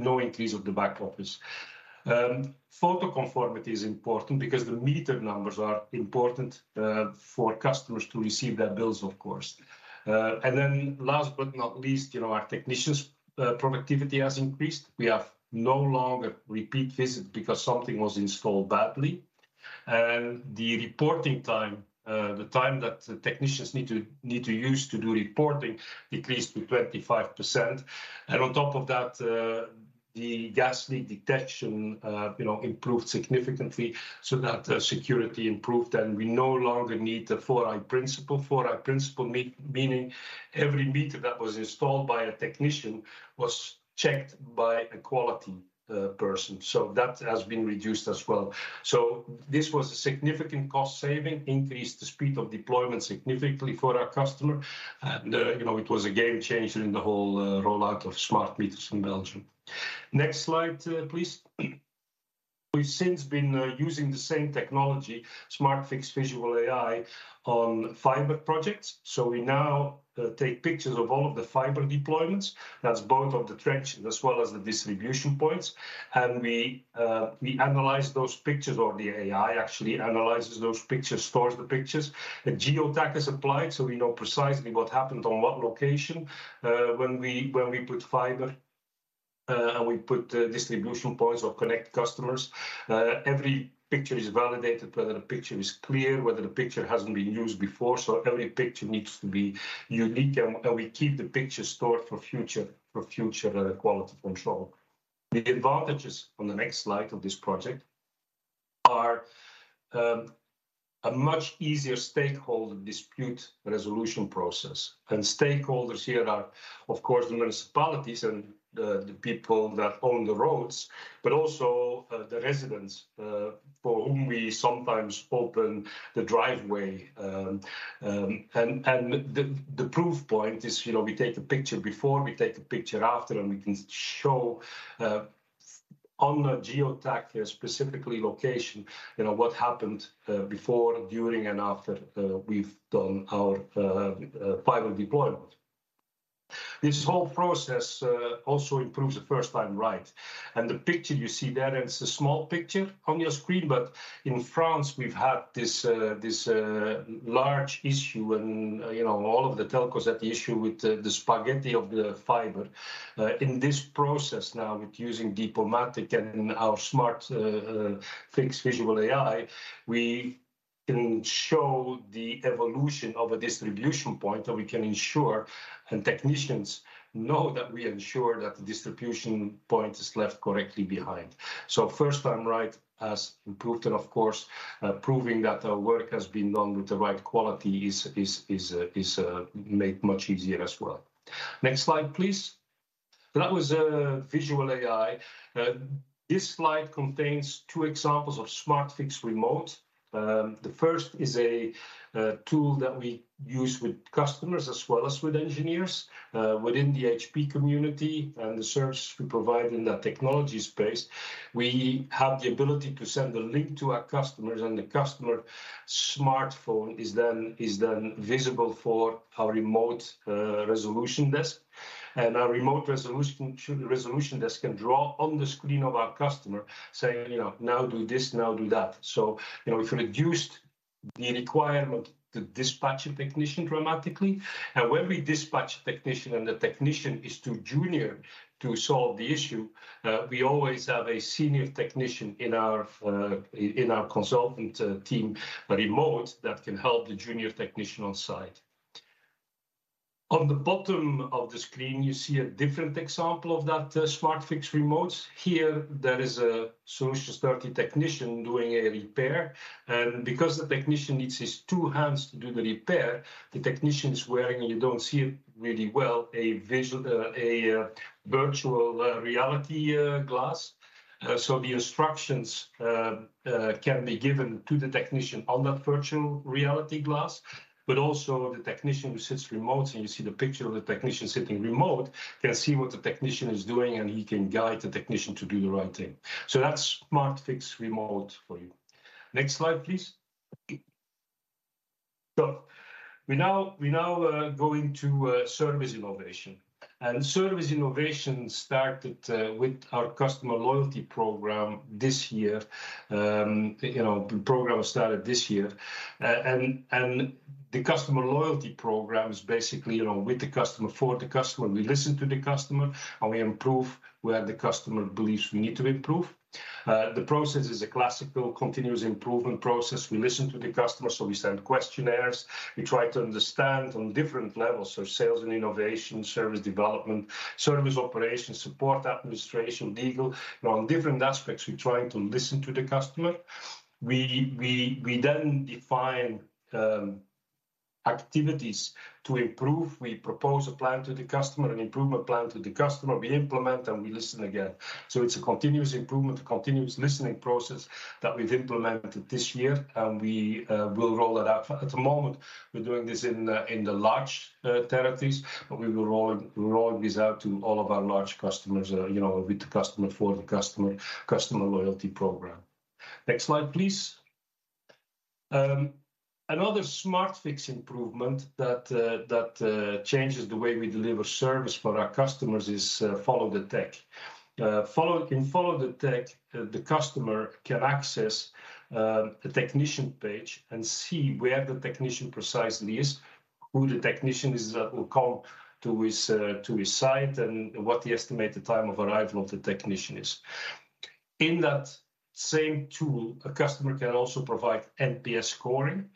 no increase of the back office. Photo conformity is important because the meter numbers are important for customers to receive their bills, of course. And then last but not least, you know, our technicians' productivity has increased. We have no longer repeat visits because something was installed badly. And the reporting time, the time that the technicians need to use to do reporting decreased to 25%. And on top of that, the gas leak detection, you know, improved significantly so that security improved, and we no longer need the four-eye principle. Four-eye principle, meaning every meter that was installed by a technician was checked by a quality person, so that has been reduced as well. So this was a significant cost saving, increased the speed of deployment significantly for our customer, and, you know, it was a game changer in the whole rollout of smart meters in Belgium. Next slide, please. We've since been using the same technology, Smartfix Visual AI, on fiber projects. So we now take pictures of all of the fiber deployments. That's both of the trench as well as the distribution points. And we analyze those pictures, or the AI actually analyzes those pictures, stores the pictures. A geotag is applied, so we know precisely what happened on what location, when we put fiber and we put distribution points or connect customers. Every picture is validated, whether the picture is clear, whether the picture hasn't been used before, so every picture needs to be unique, and we keep the picture stored for future quality control. The advantages, on the next slide, of this project are a much easier stakeholder dispute resolution process. Stakeholders here are, of course, the municipalities and the people that own the roads, but also the residents for whom we sometimes open the driveway. The proof point is, you know, we take the picture before, we take the picture after, and we can show on the Geotag their specific location, you know, what happened before, during, and after we've done our fiber deployment. This whole process also improves the first time right. The picture you see there, and it's a small picture on your screen, but in France, we've had this large issue and, you know, all of the telcos had the issue with the spaghetti of the fiber. In this process now, with using diplomacy and our Smartfix Visual AI, we can show the evolution of a distribution point, or we can ensure, and technicians know that we ensure that the distribution point is left correctly behind. So First Time Right has improved and, of course, proving that the work has been done with the right quality is made much easier as well. Next slide, please. That was Visual AI. This slide contains two examples of Smartfix Remote. The first is a tool that we use with customers as well as with engineers. Within the HP community and the service we provide in the technology space, we have the ability to send a link to our customers, and the customer's smartphone is then visible for our remote resolution desk. Our remote resolution, resolution desk can draw on the screen of our customer, saying, you know, "Now do this, now do that." You know, we've reduced the requirement to dispatch a technician dramatically. When we dispatch a technician and the technician is too junior to solve the issue, we always have a senior technician in our, in our consultant, team remote that can help the junior technician on site. On the bottom of the screen, you see a different example of that, Smartfix Remote. Here, there is a Solutions 30 technician doing a repair, and because the technician needs his two hands to do the repair, the technician's wearing, you don't see it really well, a virtual reality glass. The instructions can be given to the technician on that virtual reality glass. But also the technician who sits remote, and you see the picture of the technician sitting remote, can see what the technician is doing, and he can guide the technician to do the right thing. So that's Smartfix Remote for you. Next slide, please. So we now go into service innovation. And service innovation started with our customer loyalty program this year. You know, the program started this year. And the customer loyalty program is basically, you know, with the customer, for the customer. We listen to the customer, and we improve where the customer believes we need to improve. The process is a classical continuous improvement process. We listen to the customer, so we send questionnaires. We try to understand on different levels, so sales and innovation, service development, service operations, support, administration, legal. You know, on different aspects, we're trying to listen to the customer. We then define activities to improve. We propose a plan to the customer, an improvement plan to the customer. We implement, and we listen again. So it's a continuous improvement, a continuous listening process that we've implemented this year, and we will roll it out. At the moment, we're doing this in the large territories, but we will roll this out to all of our large customers, you know, with the customer, for the customer, customer loyalty program. Next slide, please. Another Smartfix improvement that changes the way we deliver service for our customers is Follow the Tech. In Follow the Tech, the customer can access a technician page and see where the technician precisely is, who the technician is that will come to his site, and what the estimated time of arrival of the technician is. In that same tool, a customer can also provide NPS scoring.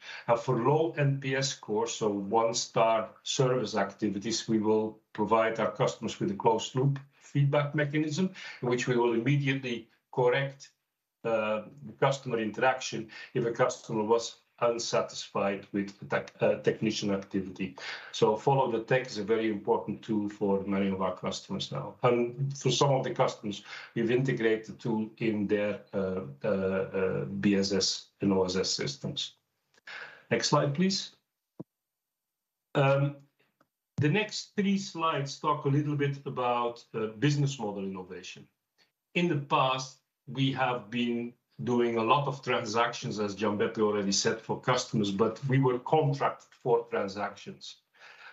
For low NPS score, so one-star service activities, we will provide our customers with a closed-loop feedback mechanism, in which we will immediately correct the customer interaction if a customer was unsatisfied with the technician activity. So Follow the Tech is a very important tool for many of our customers now. For some of the customers, we've integrated the tool in their BSS and OSS systems. Next slide, please. The next three slides talk a little bit about business model innovation. In the past, we have been doing a lot of transactions, as Gianbeppi already said, for customers, but we were contracted for transactions.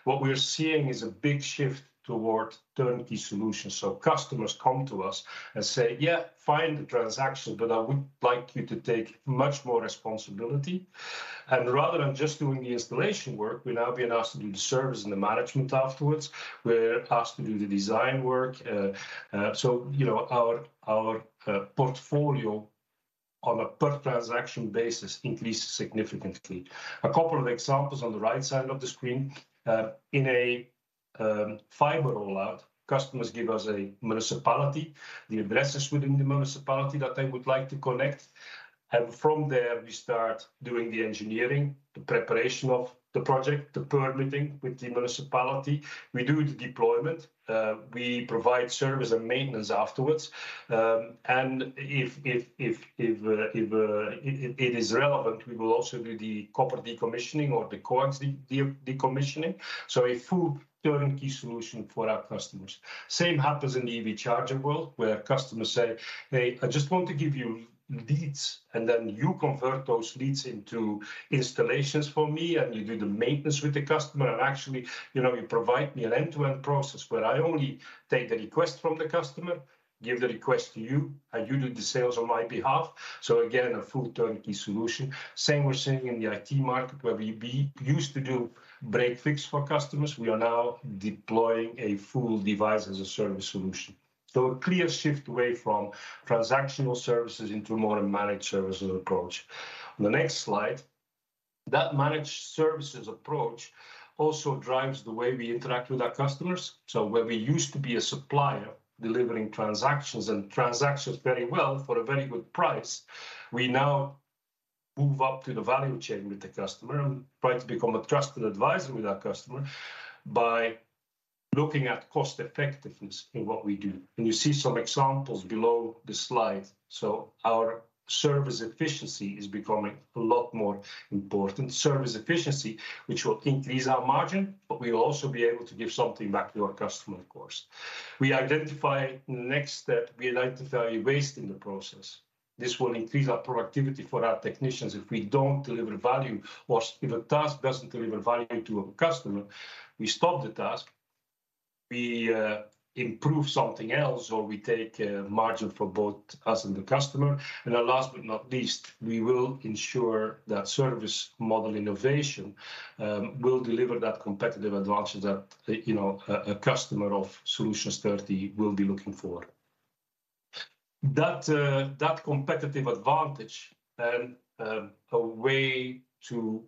What we're seeing is a big shift toward turnkey solutions. Customers come to us and say, "Yeah, fine, the transaction, but I would like you to take much more responsibility." Rather than just doing the installation work, we're now being asked to do the service and the management afterwards. We're asked to do the design work. So, you know, our portfolio on a per transaction basis increased significantly. A couple of examples on the right side of the screen. In a fiber rollout, customers give us a municipality, the addresses within the municipality that they would like to connect, and from there, we start doing the engineering, the preparation of the project, the permitting with the municipality. We do the deployment. We provide service and maintenance afterwards. And if it is relevant, we will also do the copper decommissioning or the coax decommissioning. So a full turnkey solution for our customers. Same happens in the EV charger world, where customers say, "Hey, I just want to give you leads, and then you convert those leads into installations for me, and you do the maintenance with the customer. And actually, you know, you provide me an end-to-end process where I only take the request from the customer, give the request to you, and you do the sales on my behalf." So again, a full turnkey solution. Same we're seeing in the IT market, where we used to do break/fix for customers. We are now deploying a full device as a service solution. So, a clear shift away from transactional services into a more managed services approach. On the next slide, that managed services approach also drives the way we interact with our customers. So where we used to be a supplier delivering transactions, and transactions very well for a very good price, we now move up to the value chain with the customer and try to become a trusted advisor with our customer by looking at cost-effectiveness in what we do. And you see some examples below the slide. So our service efficiency is becoming a lot more important. Service efficiency, which will increase our margin, but we will also be able to give something back to our customer, of course. We identify the next step. We identify waste in the process. This will increase our productivity for our technicians. If we don't deliver value or if a task doesn't deliver value to a customer, we stop the task. We improve something else, or we take a margin for both us and the customer. And then last but not least, we will ensure that service model innovation will deliver that competitive advantage that, you know, a customer of Solutions 30 will be looking for. That, that competitive advantage and a way to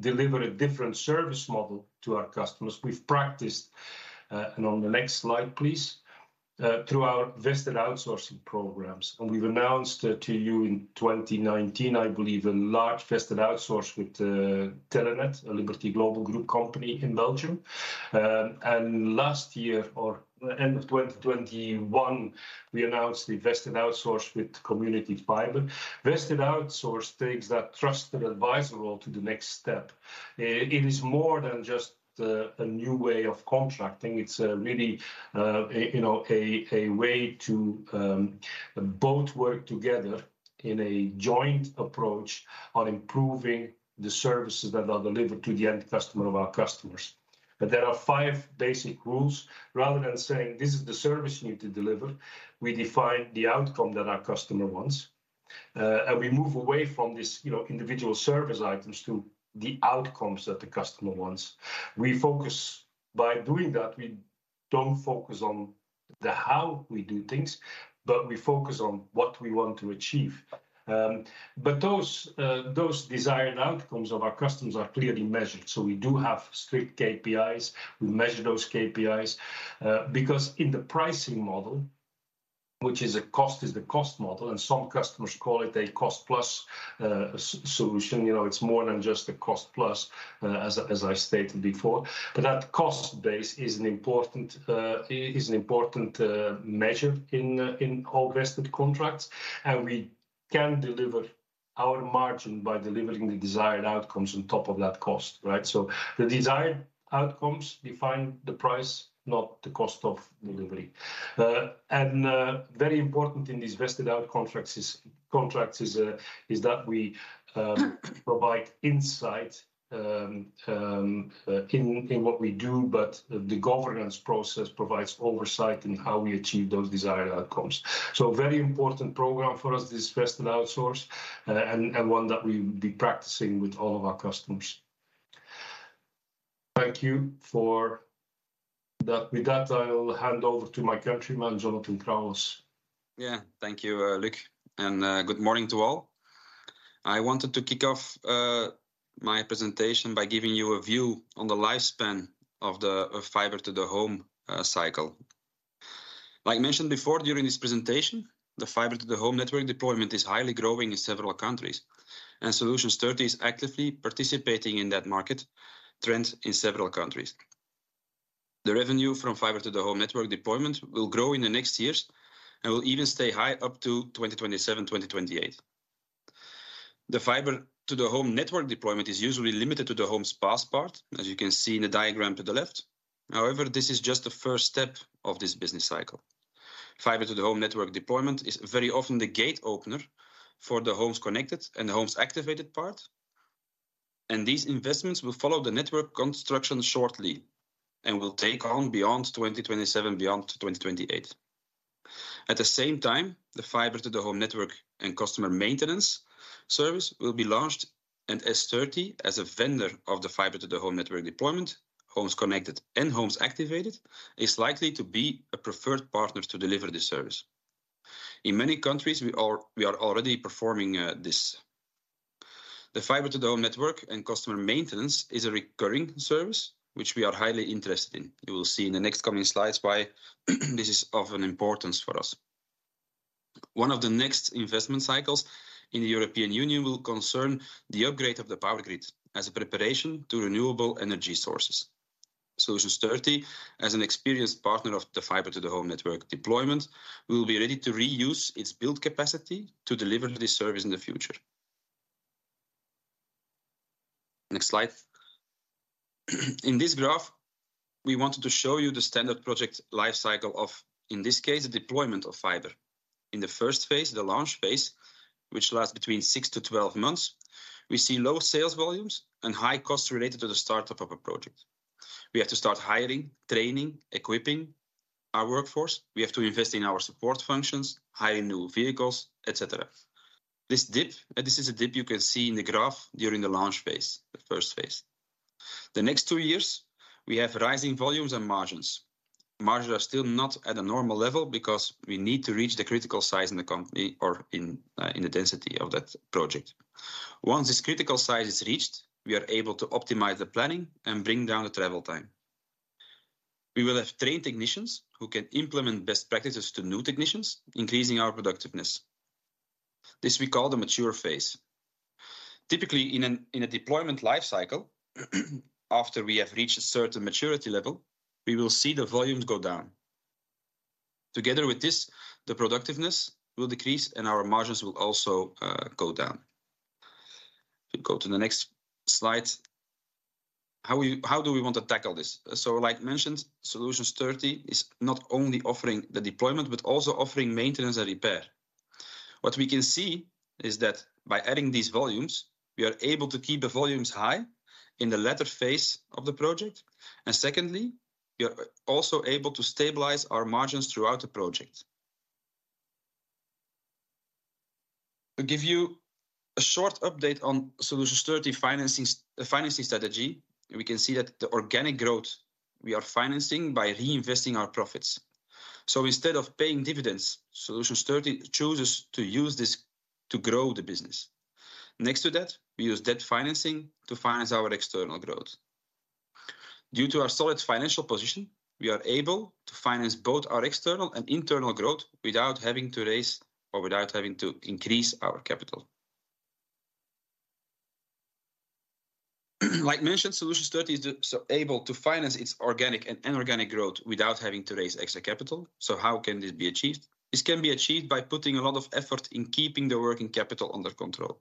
deliver a different service model to our customers, we've practiced...? And on the next slide, please. Through our Vested Outsourcing programs, and we've announced to you in 2019, I believe, a large Vested outsource with Telenet, a Liberty Global group company in Belgium. And last year, or end of 2021, we announced the Vested outsource with Community Fibre. Vested Outsourcing takes that trusted advisor role to the next step. It is more than just a new way of contracting. It's a really, you know, a way to both work together in a joint approach on improving the services that are delivered to the end customer of our customers. But there are five basic rules. Rather than saying, "This is the service you need to deliver," we define the outcome that our customer wants. And we move away from this, you know, individual service items to the outcomes that the customer wants. We focus. By doing that, we don't focus on the how we do things, but we focus on what we want to achieve. But those desired outcomes of our customers are clearly measured. So we do have strict KPIs. We measure those KPIs because in the pricing model, which is the cost model, and some customers call it a cost-plus solution. You know, it's more than just a cost-plus, as I stated before. But that cost base is an important measure in all Vested Outsourcing contracts. And we can deliver our margin by delivering the desired outcomes on top of that cost, right? So the desired outcomes define the price, not the cost of delivery. And very important in these Vested Outsourcing contracts is that we provide insight in what we do, but the governance process provides oversight in how we achieve those desired outcomes. So a very important program for us is Vested Outsourcing, and one that we will be practicing with all of our customers. Thank you for that. With that, I will hand over to my countryman, Jonathan Crauwels. Yeah. Thank you, Luc, and good morning to all. I wanted to kick off my presentation by giving you a view on the lifespan of the, of fiber to the home cycle. Like mentioned before, during this presentation, the fiber to the home network deployment is highly growing in several countries, and Solutions 30 is actively participating in that market trend in several countries. The revenue from fiber to the home network deployment will grow in the next years and will even stay high up to 2027, 2028. The fiber to the home network deployment is usually limited to the homes passed part, as you can see in the diagram to the left. However, this is just the first step of this business cycle. Fiber to the home network deployment is very often the gate opener for the homes connected and the homes activated part, and these investments will follow the network construction shortly and will take on beyond 2027, beyond 2028. At the same time, the fiber to the home network and customer maintenance service will be launched, and Solutions 30, as a vendor of the fiber to the home network deployment, homes connected and homes activated, is likely to be a preferred partner to deliver this service. In many countries, we are, we are already performing this. The fiber to the home network and customer maintenance is a recurring service, which we are highly interested in. You will see in the next coming slides why this is of an importance for us. One of the next investment cycles in the European Union will concern the upgrade of the power grid as a preparation to renewable energy sources. Solutions 30, as an experienced partner of the fiber to the home network deployment, will be ready to reuse its build capacity to deliver this service in the future. Next slide. In this graph, we wanted to show you the standard project life cycle of, in this case, the deployment of fiber. In the first phase, the launch phase, which lasts between 6-12 months, we see low sales volumes and high costs related to the startup of a project. We have to start hiring, training, equipping our workforce. We have to invest in our support functions, hiring new vehicles, et cetera. This dip, and this is a dip you can see in the graph during the launch phase, the first phase.... The next two years, we have rising volumes and margins. Margins are still not at a normal level because we need to reach the critical size in the company or in the density of that project. Once this critical size is reached, we are able to optimize the planning and bring down the travel time. We will have trained technicians who can implement best practices to new technicians, increasing our productiveness. This we call the mature phase. Typically, in a deployment life cycle, after we have reached a certain maturity level, we will see the volumes go down. Together with this, the productiveness will decrease, and our margins will also go down. We go to the next slide. How do we want to tackle this? So like mentioned, Solutions 30 is not only offering the deployment, but also offering maintenance and repair. What we can see is that by adding these volumes, we are able to keep the volumes high in the latter phase of the project, and secondly, we are also able to stabilize our margins throughout the project. To give you a short update on Solutions 30 financing strategy, we can see that the organic growth we are financing by reinvesting our profits. So instead of paying dividends, Solutions 30 chooses to use this to grow the business. Next to that, we use debt financing to finance our external growth. Due to our solid financial position, we are able to finance both our external and internal growth without having to raise or without having to increase our capital. Like mentioned, Solutions 30 is so able to finance its organic and inorganic growth without having to raise extra capital. So how can this be achieved? This can be achieved by putting a lot of effort in keeping the working capital under control.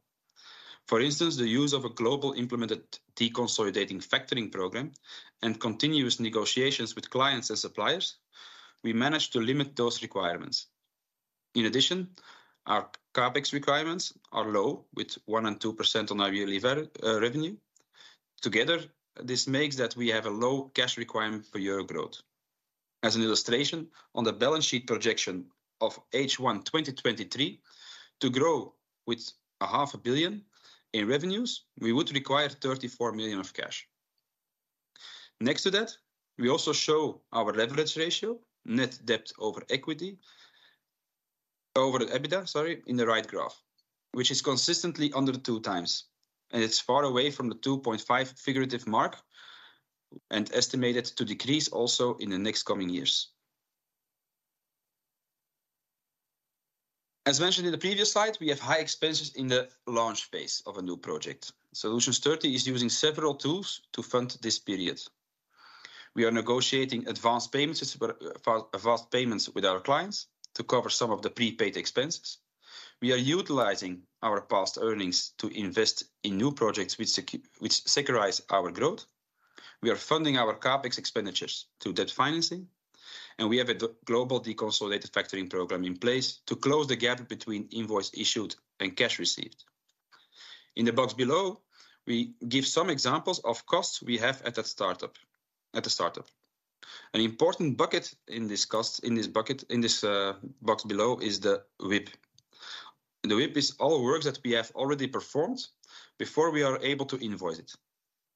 For instance, the use of a global implemented deconsolidating factoring program and continuous negotiations with clients and suppliers, we managed to limit those requirements. In addition, our CapEx requirements are low, with 1%-2% on our yearly revenue. Together, this makes that we have a low cash requirement for year growth. As an illustration, on the balance sheet projection of H1 2023, to grow with 500 million in revenues, we would require 34 million of cash. Next to that, we also show our leverage ratio, net debt over equity... over the EBITDA, sorry, in the right graph, which is consistently under 2x, and it's far away from the 2.5x figurative mark, and estimated to decrease also in the next coming years. As mentioned in the previous slide, we have high expenses in the launch phase of a new project. Solutions 30 is using several tools to fund this period. We are negotiating advanced payments with our clients to cover some of the prepaid expenses. We are utilizing our past earnings to invest in new projects which securitize our growth. We are funding our CapEx expenditures through debt financing, and we have a global deconsolidated factoring program in place to close the gap between invoice issued and cash received. In the box below, we give some examples of costs we have at a startup, at the startup. An important bucket in this cost, in this bucket, in this box below is the WIP. The WIP is all work that we have already performed before we are able to invoice it.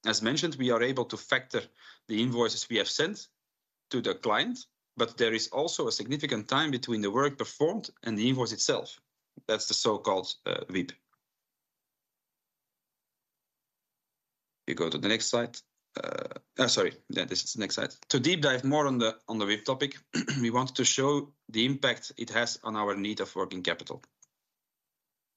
As mentioned, we are able to factor the invoices we have sent to the client, but there is also a significant time between the work performed and the invoice itself. That's the so-called WIP. We go to the next slide. This is the next slide. To deep dive more on the WIP topic, we want to show the impact it has on our need of working capital.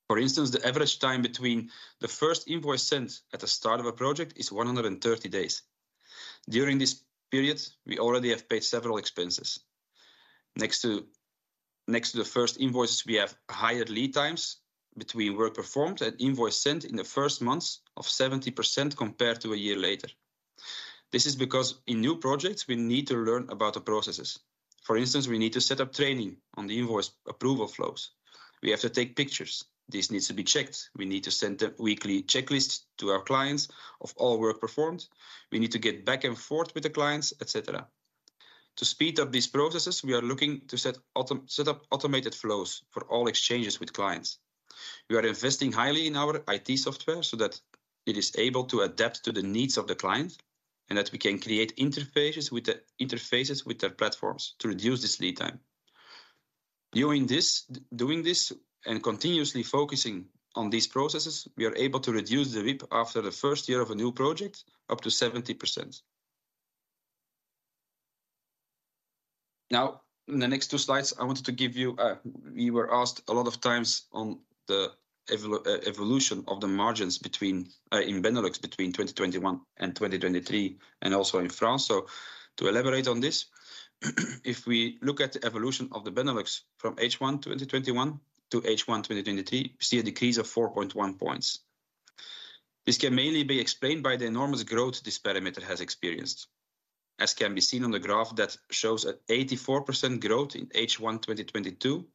For instance, the average time between the first invoice sent at the start of a project is 130 days. During this period, we already have paid several expenses. Next to the first invoices, we have higher lead times between work performed and invoice sent in the first months of 70% compared to a year later. This is because in new projects, we need to learn about the processes. For instance, we need to set up training on the invoice approval flows. We have to take pictures. This needs to be checked. We need to send a weekly checklist to our clients of all work performed. We need to get back and forth with the clients, et cetera. To speed up these processes, we are looking to set up automated flows for all exchanges with clients. We are investing highly in our IT software so that it is able to adapt to the needs of the client, and that we can create interfaces with interfaces with their platforms to reduce this lead time. Doing this and continuously focusing on these processes, we are able to reduce the WIP after the first year of a new project, up to 70%. Now, in the next two slides, I wanted to give you. We were asked a lot of times on the evolution of the margins between in Benelux, between 2021 and 2023, and also in France. So to elaborate on this, if we look at the evolution of the Benelux from H1 2021 to H1 2023, we see a decrease of 4.1 points. This can mainly be explained by the enormous growth this parameter has experienced, as can be seen on the graph that shows a 84% growth in H1 2022,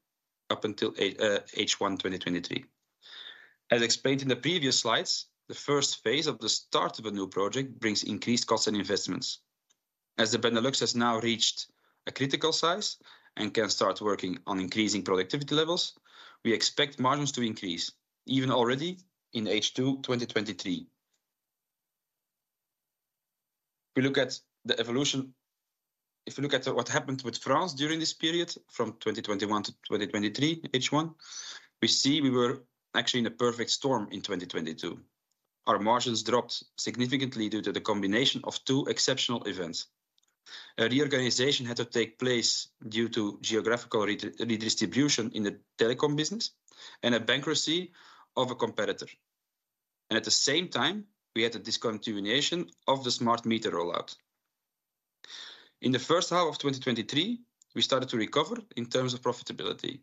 up until H1 2023. As explained in the previous slides, the first phase of the start of a new project brings increased costs and investments... as the Benelux has now reached a critical size and can start working on increasing productivity levels, we expect margins to increase even already in H2 2023. We look at the evolution. If you look at what happened with France during this period, from 2021 to 2023, H1, we see we were actually in a perfect storm in 2022. Our margins dropped significantly due to the combination of two exceptional events. A reorganization had to take place due to geographical redistribution in the Telekom business and a bankruptcy of a competitor. And at the same time, we had a discontinuation of the smart meter rollout. In the first half of 2023, we started to recover in terms of profitability.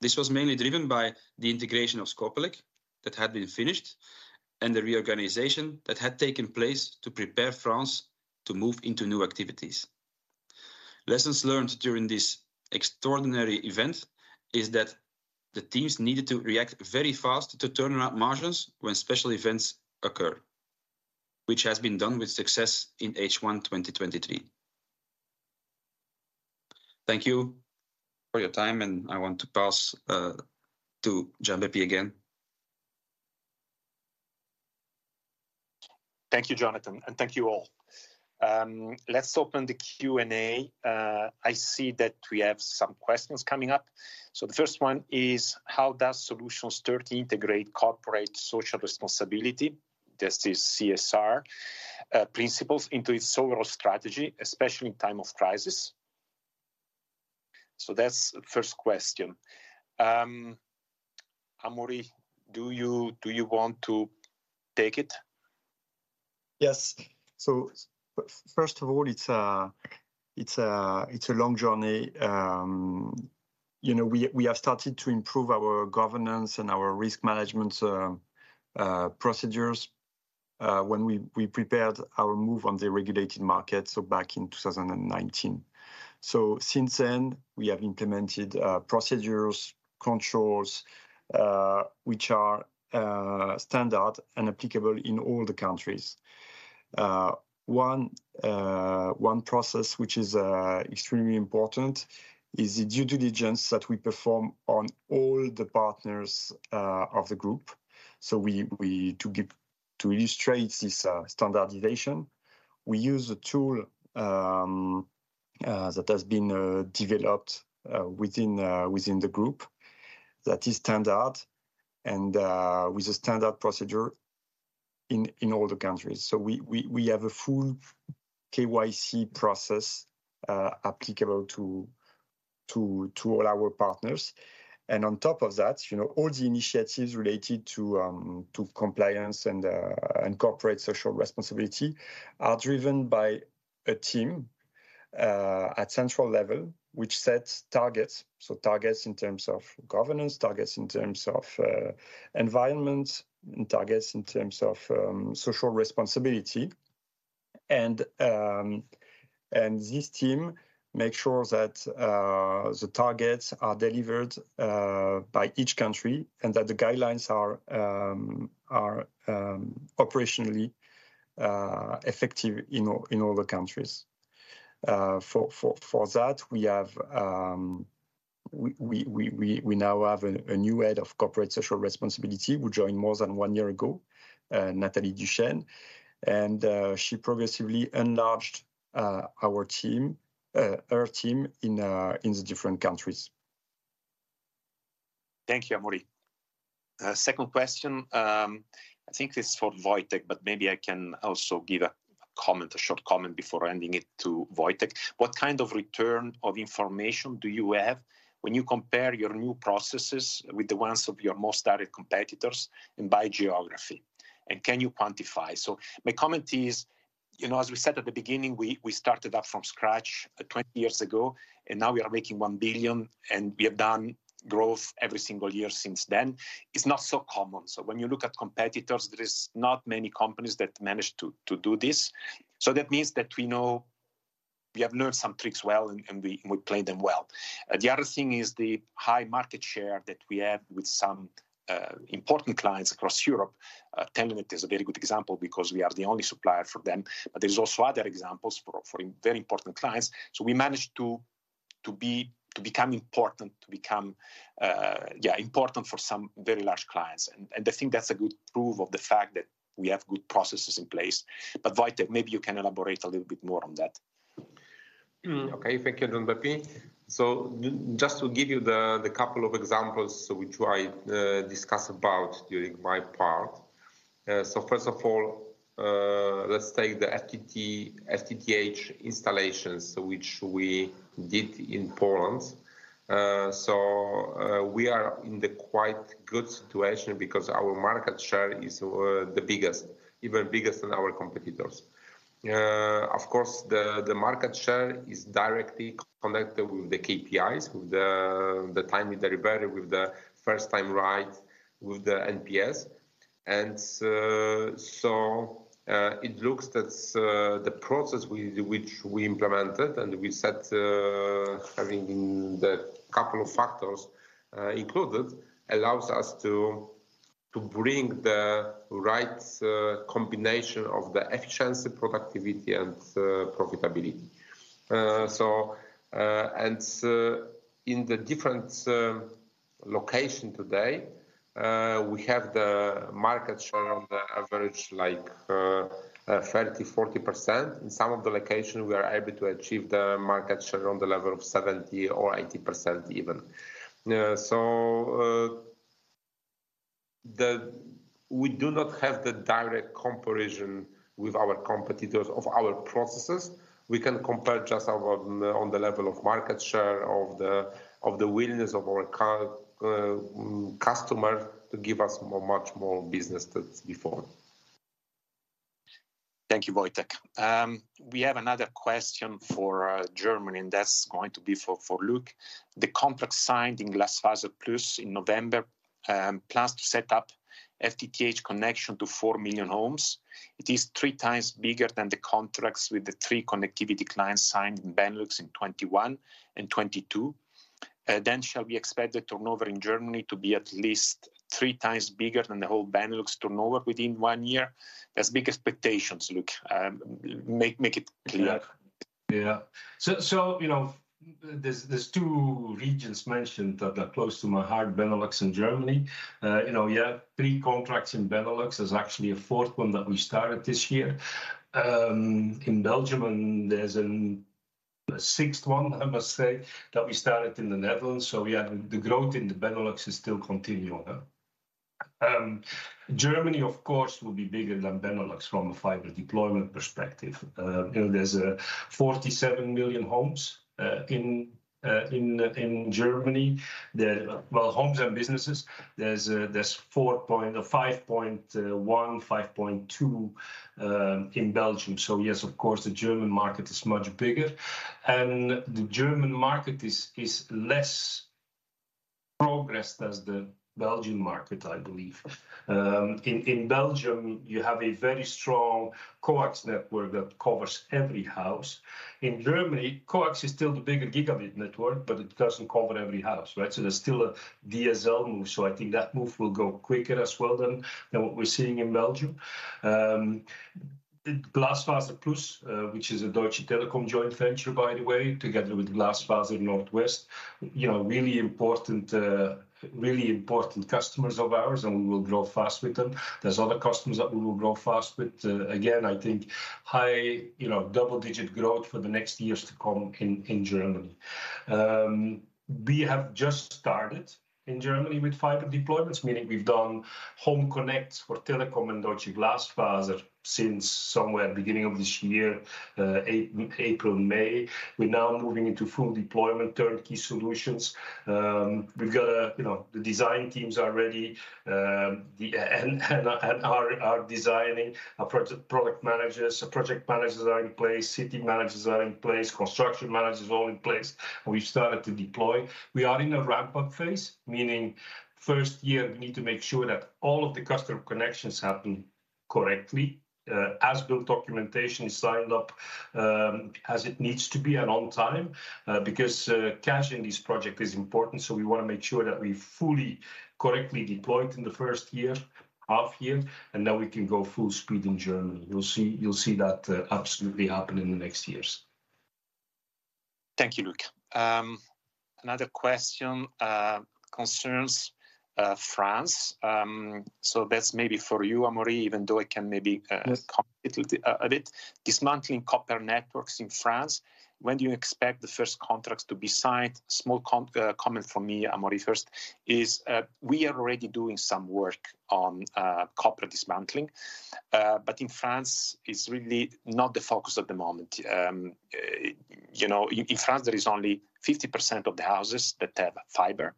This was mainly driven by the integration of Scopelec that had been finished, and the reorganization that had taken place to prepare France to move into new activities. Lessons learned during this extraordinary event is that the teams needed to react very fast to turn around margins when special events occur, which has been done with success in H1 2023. Thank you for your time, and I want to pass to Gianbeppi again. Thank you, Jonathan, and thank you all. Let's open the Q&A. I see that we have some questions coming up. So the first one is: How does Solutions 30 integrate corporate social responsibility, that is CSR, principles into its overall strategy, especially in time of crisis? So that's the first question. Amaury, do you, do you want to take it? Yes. So first of all, it's a long journey. You know, we have started to improve our governance and our risk management procedures when we prepared our move on the regulated market, so back in 2019. So since then, we have implemented procedures, controls which are standard and applicable in all the countries. One process, which is extremely important, is the due diligence that we perform on all the partners of the group. So we... To illustrate this standardization, we use a tool that has been developed within the group that is standard and with a standard procedure in all the countries. So we have a full KYC process, applicable to all our partners. And on top of that, you know, all the initiatives related to compliance and corporate social responsibility are driven by a team at central level, which sets targets. So targets in terms of governance, targets in terms of environment, and targets in terms of social responsibility. And this team make sure that the targets are delivered by each country, and that the guidelines are operationally effective in all the countries. For that, we now have a new head of corporate social responsibility, who joined more than one year ago, Nathalie Duchesne, and she progressively enlarged our team, her team in the different countries. Thank you, Amaury. Second question, I think this is for Wojciech, but maybe I can also give a comment, a short comment before handing it to Wojciech. What kind of return of information do you have when you compare your new processes with the ones of your most direct competitors and by geography, and can you quantify? So my comment is, you know, as we said at the beginning, we started up from scratch, 20 years ago, and now we are making 1 billion, and we have done growth every single year since then. It's not so common. So when you look at competitors, there is not many companies that managed to do this. So that means that we know we have learned some tricks well, and we play them well. The other thing is the high market share that we have with some important clients across Europe. Telenet is a very good example because we are the only supplier for them, but there's also other examples for very important clients. So we managed to become important for some very large clients. And I think that's a good proof of the fact that we have good processes in place. But Wojciech, maybe you can elaborate a little bit more on that. Okay. Thank you, Gianbeppi. So just to give you the couple of examples which I discuss about during my part. So first of all, let's take the FTTH, FTTH installations, which we did in Poland. So we are in the quite good situation because our market share is the biggest, even bigger than our competitors. Of course, the market share is directly connected with the KPIs, with the time we deliver, with the First Time Right, with the NPS. And so it looks that the process we which we implemented and we set, having the couple of factors included, allows us to to bring the right combination of the efficiency, productivity, and profitability. In the different locations today, we have the market share on the average, like, 30%-40%. In some of the locations, we are able to achieve the market share on the level of 70% or 80% even. We do not have the direct comparison with our competitors of our processes. We can compare just our on the level of market share, of the willingness of our customer to give us more, much more business than before. Thank you, Wojciech. We have another question for, Germany, and that's going to be for, for Luc. The contract signed in GlasfaserPlus in November plans to set up FTTH connection to 4 million homes. It is three times bigger than the contracts with the three connectivity clients signed in Benelux in 2021 and 2022. Then shall we expect the turnover in Germany to be at least three times bigger than the whole Benelux turnover within one year? That's big expectations, Luc. Make, make it clear. Yeah. Yeah. So, you know, there's two regions mentioned that are close to my heart, Benelux and Germany. You know, yeah, three contracts in Benelux. There's actually a fourth one that we started this year in Belgium, and there's a sixth one, I must say, that we started in the Netherlands. So yeah, the growth in the Benelux is still continuing. Germany, of course, will be bigger than Benelux from a fiber deployment perspective. You know, there's 47 million homes in Germany. Well, homes and businesses, there's 4.1 or 5.2 million in Belgium. So yes, of course, the German market is much bigger. And the German market is less progressed as the Belgian market, I believe. In Belgium, you have a very strong coax network that covers every house. In Germany, coax is still the bigger gigabit network, but it doesn't cover every house, right? So there's still a DSL move, so I think that move will go quicker as well than what we're seeing in Belgium. GlasfaserPlus, which is a Deutsche Telekom joint venture, by the way, together with Glasfaser Nordwest, you know, really important, really important customers of ours, and we will grow fast with them. There's other customers that we will grow fast with. Again, I think high, you know, double-digit growth for the next years to come in Germany. We have just started in Germany with fiber deployments, meaning we've done home connects for Telekom and Deutsche Glasfaser since somewhere beginning of this year, April, May. We're now moving into full deployment turnkey solutions. We've got, you know, the design teams are ready, and are designing. Our product managers, project managers are in place, city managers are in place, construction managers are all in place, and we've started to deploy. We are in a ramp-up phase, meaning first year, we need to make sure that all of the customer connections happen correctly, as build documentation is signed up, as it needs to be and on time. Because cashing this project is important, so we want to make sure that we fully, correctly deploy it in the first year, half year, and then we can go full speed in Germany. You'll see, you'll see that absolutely happen in the next years. Thank you, Luc. Another question concerns France. So that's maybe for you, Amaury, even though I can maybe, Yes... comment a little bit. Dismantling copper networks in France, when do you expect the first contracts to be signed? Small comment from me, Amaury, first, is, we are already doing some work on copper dismantling. But in France, it's really not the focus at the moment. You know, in France, there is only 50% of the houses that have fiber,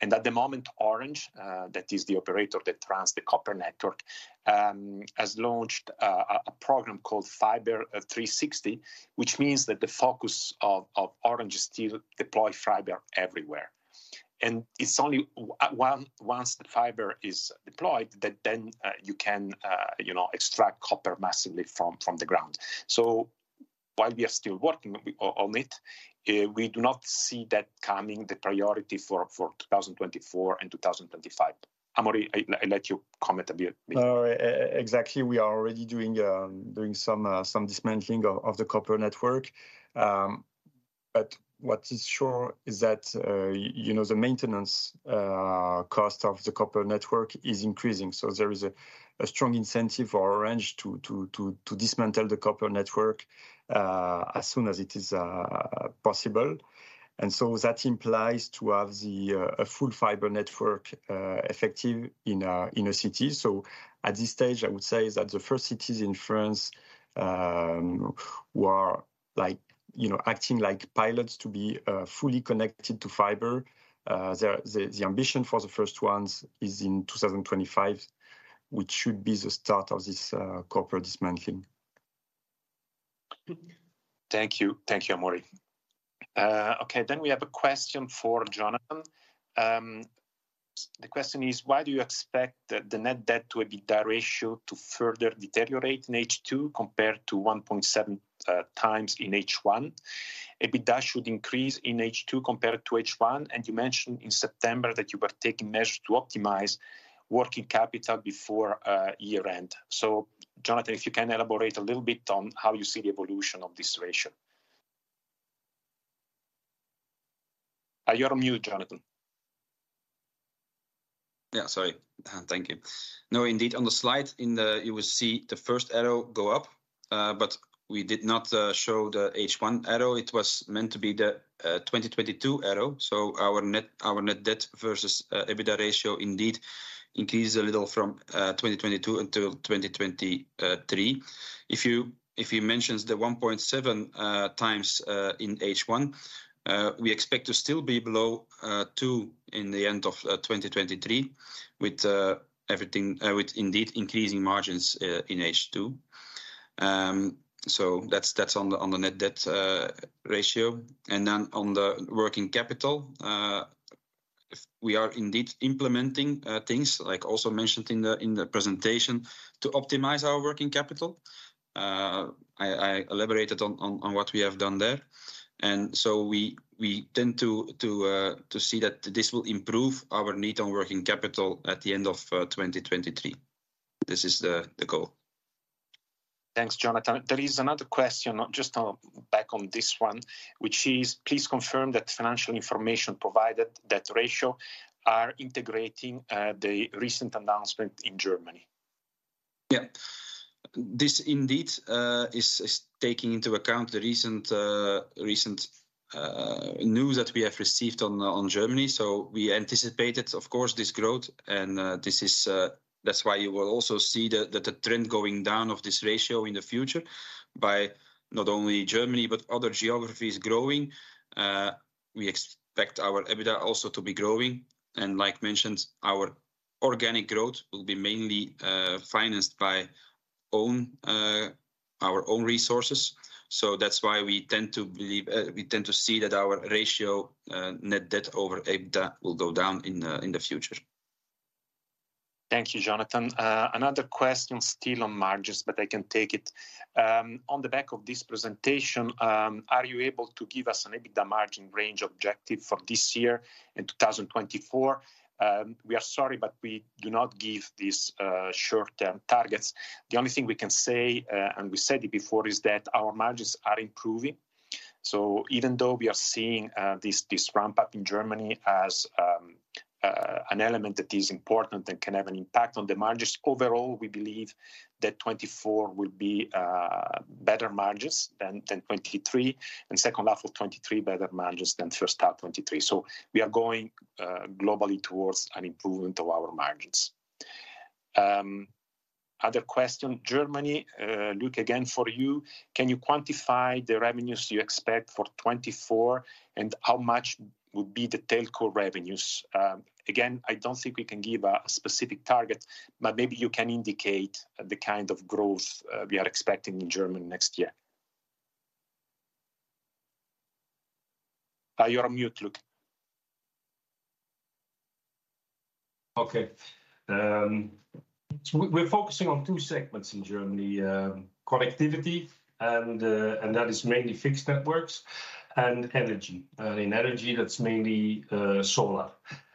and at the moment, Orange, that is the operator that runs the copper network, has launched a program called Fiber 360, which means that the focus of Orange is still deploy fiber everywhere. And it's only once the fiber is deployed that then, you know, extract copper massively from the ground. So while we are still working on it, we do not see that becoming the priority for 2024 and 2025. Amaury, I let you comment a bit, please. No, exactly. We are already doing some dismantling of the copper network. But what is sure is that, you know, the maintenance cost of the copper network is increasing. So there is a strong incentive for Orange to dismantle the copper network as soon as it is possible. And so that implies to have a full fiber network effective in a city. So at this stage, I would say that the first cities in France were like pilots to be fully connected to fiber. The ambition for the first ones is in 2025, which should be the start of this copper dismantling. Thank you. Thank you, Amaury. Okay, then we have a question for Jonathan. The question is: Why do you expect the net debt to EBITDA ratio to further deteriorate in H2 compared to 1.7x in H1? EBITDA should increase in H2 compared to H1, and you mentioned in September that you were taking measures to optimize working capital before year-end. So Jonathan, if you can elaborate a little bit on how you see the evolution of this ratio. You're on mute, Jonathan. Yeah, sorry. Thank you. No, indeed, on the slide, in the- you will see the first arrow go up, but we did not show the H1 arrow. It was meant to be the 2022 arrow. So our net, our net debt versus EBITDA ratio indeed increased a little from 2022 until 2023. If you, if you mention the 1.7x in H1, we expect to still be below 2x in the end of 2023, with everything, with indeed increasing margins in H2. So that's, that's on the net debt ratio. Then on the working capital, if we are indeed implementing things, like also mentioned in the presentation, to optimize our working capital, I elaborated on what we have done there. So we tend to see that this will improve our need on working capital at the end of 2023. This is the goal. Thanks, Jonathan. There is another question, just, back on this one, which is: Please confirm that financial information provided, that ratio, are integrating, the recent announcement in Germany. Yeah. This indeed is taking into account the recent news that we have received on Germany. So we anticipated, of course, this growth, and this is... That's why you will also see the trend going down of this ratio in the future by not only Germany, but other geographies growing. We expect our EBITDA also to be growing, and like mentioned, our organic growth will be mainly financed by our own resources. So that's why we tend to believe we tend to see that our ratio, net debt over EBITDA, will go down in the future. Thank you, Jonathan. Another question still on margins, but I can take it. On the back of this presentation, are you able to give us an EBITDA margin range objective for this year, in 2024? We are sorry, but we do not give these short-term targets. The only thing we can say, and we said it before, is that our margins are improving. So even though we are seeing this ramp-up in Germany as an element that is important and can have an impact on the margins, overall, we believe that 2024 will be better margins than 2023, and second half of 2023, better margins than first half 2023. So we are going globally towards an improvement of our margins. Other question, Germany. Luc, again, for you: Can you quantify the revenues you expect for 2024, and how much would be the telco revenues? Again, I don't think we can give a specific target, but maybe you can indicate the kind of growth we are expecting in Germany next year. You're on mute, Luc. Okay. So we're focusing on two segments in Germany, connectivity, and that is mainly fixed networks and energy. In energy, that's mainly solar.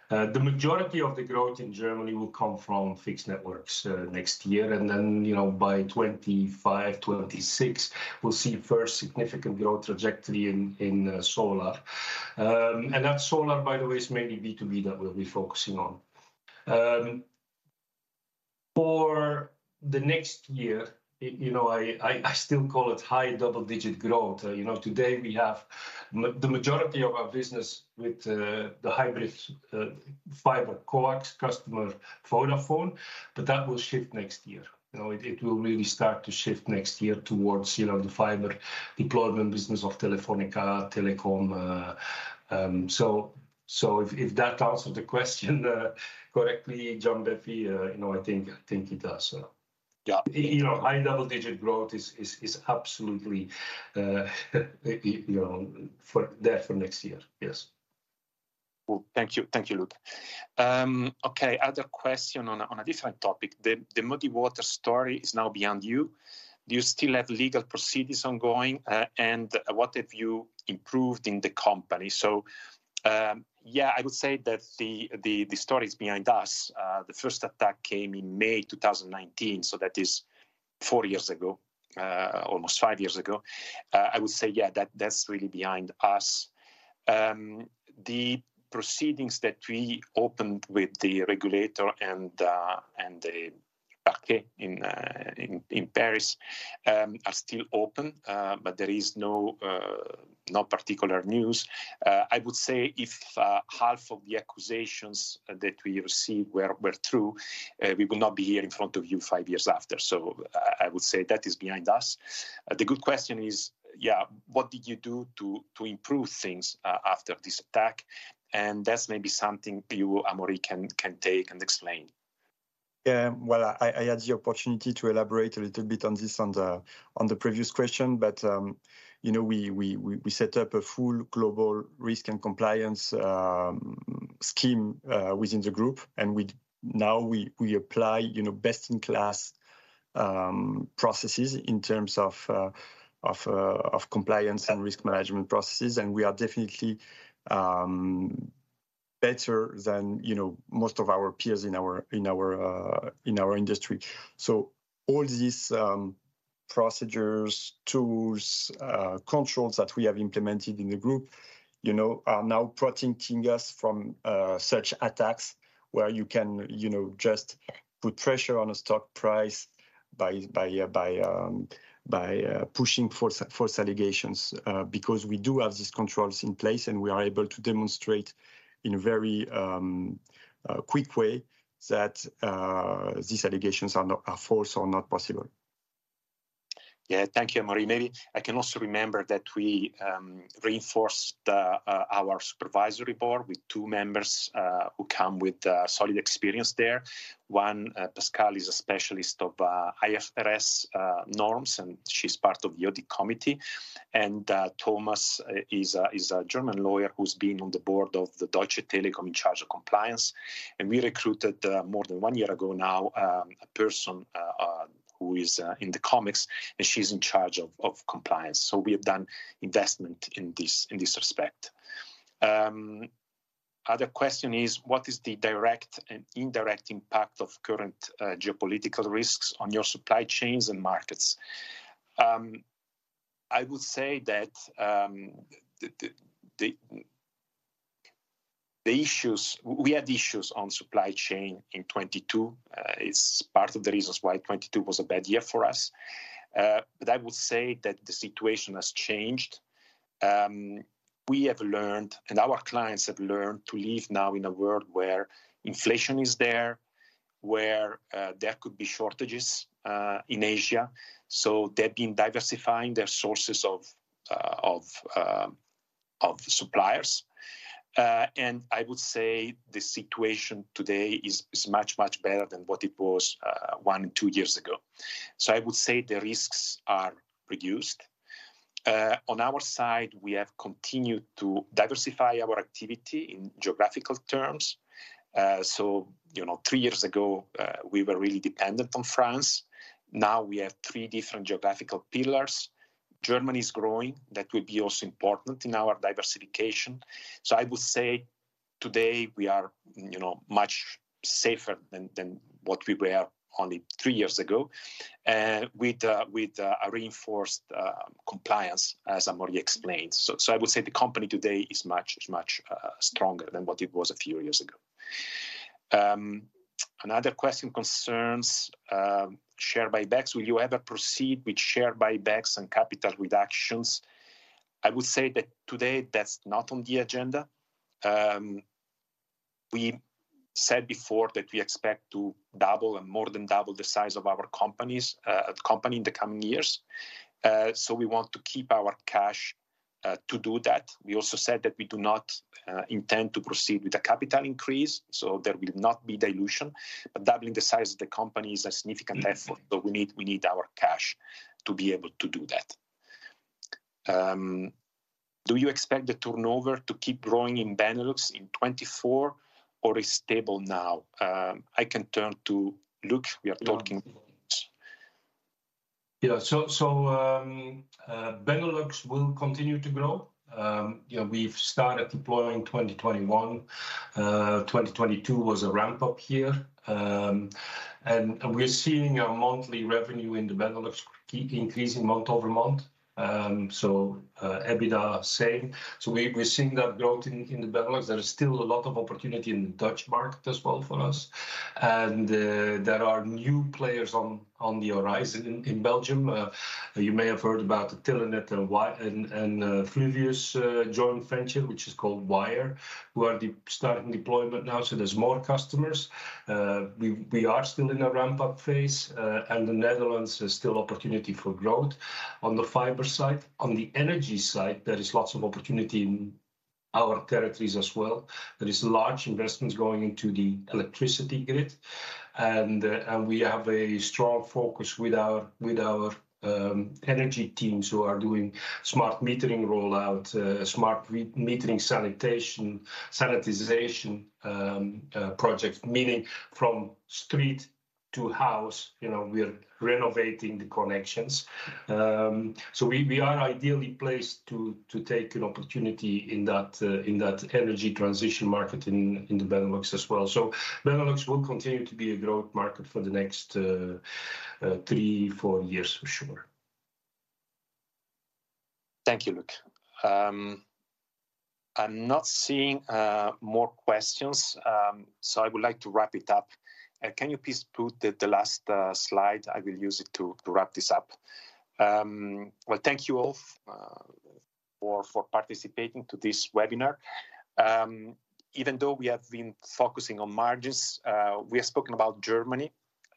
The majority of the growth in Germany will come from fixed networks next year, and then, you know, by 2025, 2026, we'll see first significant growth trajectory in solar. And that solar, by the way, is mainly B2B that we'll be focusing on. For next year, you know, I still call it high double-digit growth. You know, today we have the majority of our business with the hybrid fiber coax customer, Vodafone, but that will shift next year. You know, it will really start to shift next year towards, you know, the fiber deployment business of Telefónica, Telekom. So if that answers the question correctly, Gianbeppi, you know, I think it does, so. Yeah. You know, high double-digit growth is absolutely, you know, there for next year. Yes. Cool. Thank you. Thank you, Luc. Okay, other question on a different topic. The Muddy Waters story is now behind you. Do you still have legal proceedings ongoing? And what have you improved in the company? So, yeah, I would say that the story is behind us. The first attack came in May 2019, so that is four years ago, almost five years ago. I would say, yeah, that's really behind us. The proceedings that we opened with the regulator and the Parquet in Paris are still open, but there is no particular news. I would say if half of the accusations that we received were true, we would not be here in front of you five years after. So I would say that is behind us. The good question is, yeah: What did you do to improve things after this attack? And that's maybe something you, Amaury, can take and explain. Yeah, well, I had the opportunity to elaborate a little bit on this on the previous question. But, you know, we set up a full global risk and compliance scheme within the group, and we now apply, you know, best-in-class processes in terms of compliance and risk management processes. And we are definitely better than, you know, most of our peers in our industry. So all these procedures, tools, controls that we have implemented in the group, you know, are now protecting us from such attacks where you can, you know, just put pressure on a stock price by pushing false allegations. Because we do have these controls in place, and we are able to demonstrate in a very quick way that these allegations are not false or not possible. Yeah. Thank you, Amaury. Maybe I can also remember that we reinforced our supervisory board with two members who come with solid experience there. One, Pascale, is a specialist of IFRS norms, and she's part of the audit committee. And Thomas is a German lawyer who's been on the board of Deutsche Telekom in charge of compliance. And we recruited more than one year ago now a person who is in the company, and she's in charge of compliance. So we have done investment in this respect. Other question is, what is the direct and indirect impact of current geopolitical risks on your supply chains and markets? I would say that the issues. We had issues on supply chain in 2022. It's part of the reasons why 2022 was a bad year for us. But I would say that the situation has changed. We have learned, and our clients have learned, to live now in a world where inflation is there, where there could be shortages in Asia. So they've been diversifying their sources of suppliers. And I would say the situation today is much, much better than what it was one, two years ago. So I would say the risks are reduced. On our side, we have continued to diversify our activity in geographical terms. So, you know, three years ago, we were really dependent on France. Now we have three different geographical pillars. Germany is growing. That will be also important in our diversification. So I would say today we are, you know, much safer than, than what we were only three years ago, with a reinforced compliance, as Amaury explained. So I would say the company today is much stronger than what it was a few years ago. Another question concerns share buybacks. Will you ever proceed with share buybacks and capital reductions? I would say that today that's not on the agenda. We said before that we expect to double and more than double the size of our companies—company in the coming years. So we want to keep our cash to do that. We also said that we do not intend to proceed with a capital increase, so there will not be dilution. Doubling the size of the company is a significant effort, so we need, we need our cash to be able to do that. Do you expect the turnover to keep growing in Benelux in 2024 or is stable now? I can turn to Luc. We are talking- Yeah. Benelux will continue to grow. Yeah, we've started deploying in 2021. 2022 was a ramp-up year. And we're seeing our monthly revenue in the Benelux keep increasing month-over-month. So, EBITDA, same. So we're seeing that growth in the Benelux. There is still a lot of opportunity in the Dutch market as well for us. And there are new players on the horizon in Belgium. You may have heard about the Telenet and Fluvius joint venture, which is called Wyre, who are starting deployment now, so there's more customers. We are still in a ramp-up phase, and the Netherlands is still opportunity for growth on the fiber side. On the energy side, there is lots of opportunity in our territories as well. There is large investments going into the electricity grid, and we have a strong focus with our energy teams who are doing smart metering rollout, smart metering sanitization projects. Meaning from street to house, you know, we are renovating the connections. So we are ideally placed to take an opportunity in that energy transition market in the Benelux as well. So Benelux will continue to be a growth market for the next three to four years, for sure. Thank you, Luc. I'm not seeing more questions, so I would like to wrap it up. Can you please put the last slide? I will use it to wrap this up. Well, thank you all for participating to this webinar. Even though we have been focusing on margins, we have spoken about Germany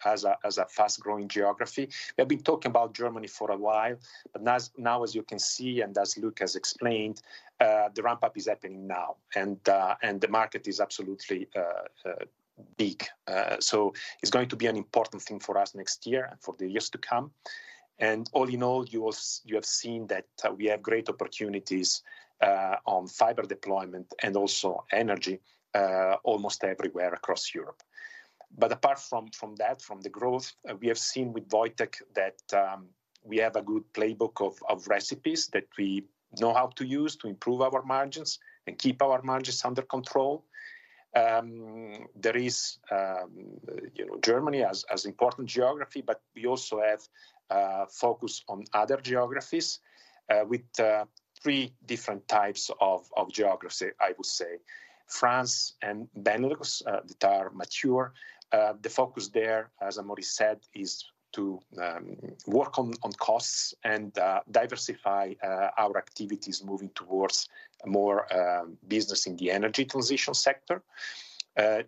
as a fast-growing geography. We have been talking about Germany for a while, but now, as you can see, and as Luc has explained, the ramp-up is happening now, and the market is absolutely big. So it's going to be an important thing for us next year and for the years to come. All in all, you have seen that we have great opportunities on fiber deployment and also energy almost everywhere across Europe. But apart from that, from the growth, we have seen with Wojciech that we have a good playbook of recipes that we know how to use to improve our margins and keep our margins under control. There is, you know, Germany as important geography, but we also have focus on other geographies with three different types of geography, I would say. France and Benelux that are mature. The focus there, as Amaury said, is to work on costs and diversify our activities moving towards more business in the energy transition sector.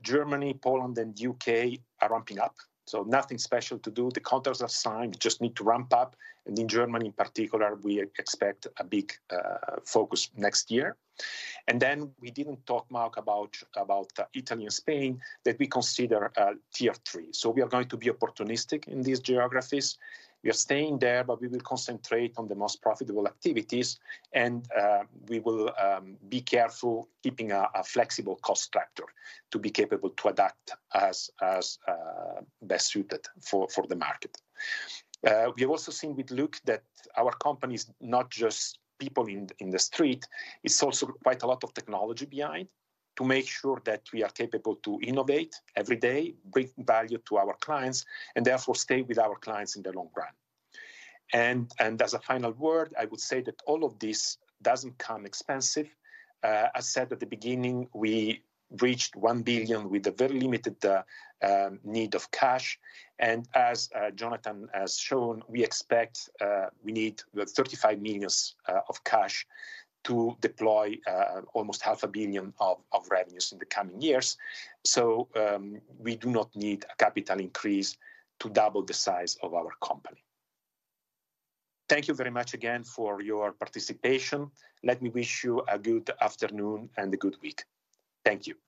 Germany, Poland, and U.K. are ramping up, so nothing special to do. The contracts are signed, we just need to ramp up, and in Germany, in particular, we expect a big focus next year. Then we didn't talk much about Italy and Spain, that we consider tier three. We are going to be opportunistic in these geographies. We are staying there, but we will concentrate on the most profitable activities, and we will be careful keeping a flexible cost structure to be capable to adapt as best suited for the market. We have also seen with Luc that our company is not just people in the street, it's also quite a lot of technology behind to make sure that we are capable to innovate every day, bring value to our clients, and therefore stay with our clients in the long run. As a final word, I would say that all of this doesn't come expensive. I said at the beginning, we reached 1 billion with a very limited need of cash, and as Jonathan has shown, we expect we need about 35 million of cash to deploy almost 500 million of revenues in the coming years. So, we do not need a capital increase to double the size of our company. Thank you very much again for your participation. Let me wish you a good afternoon and a good week. Thank you.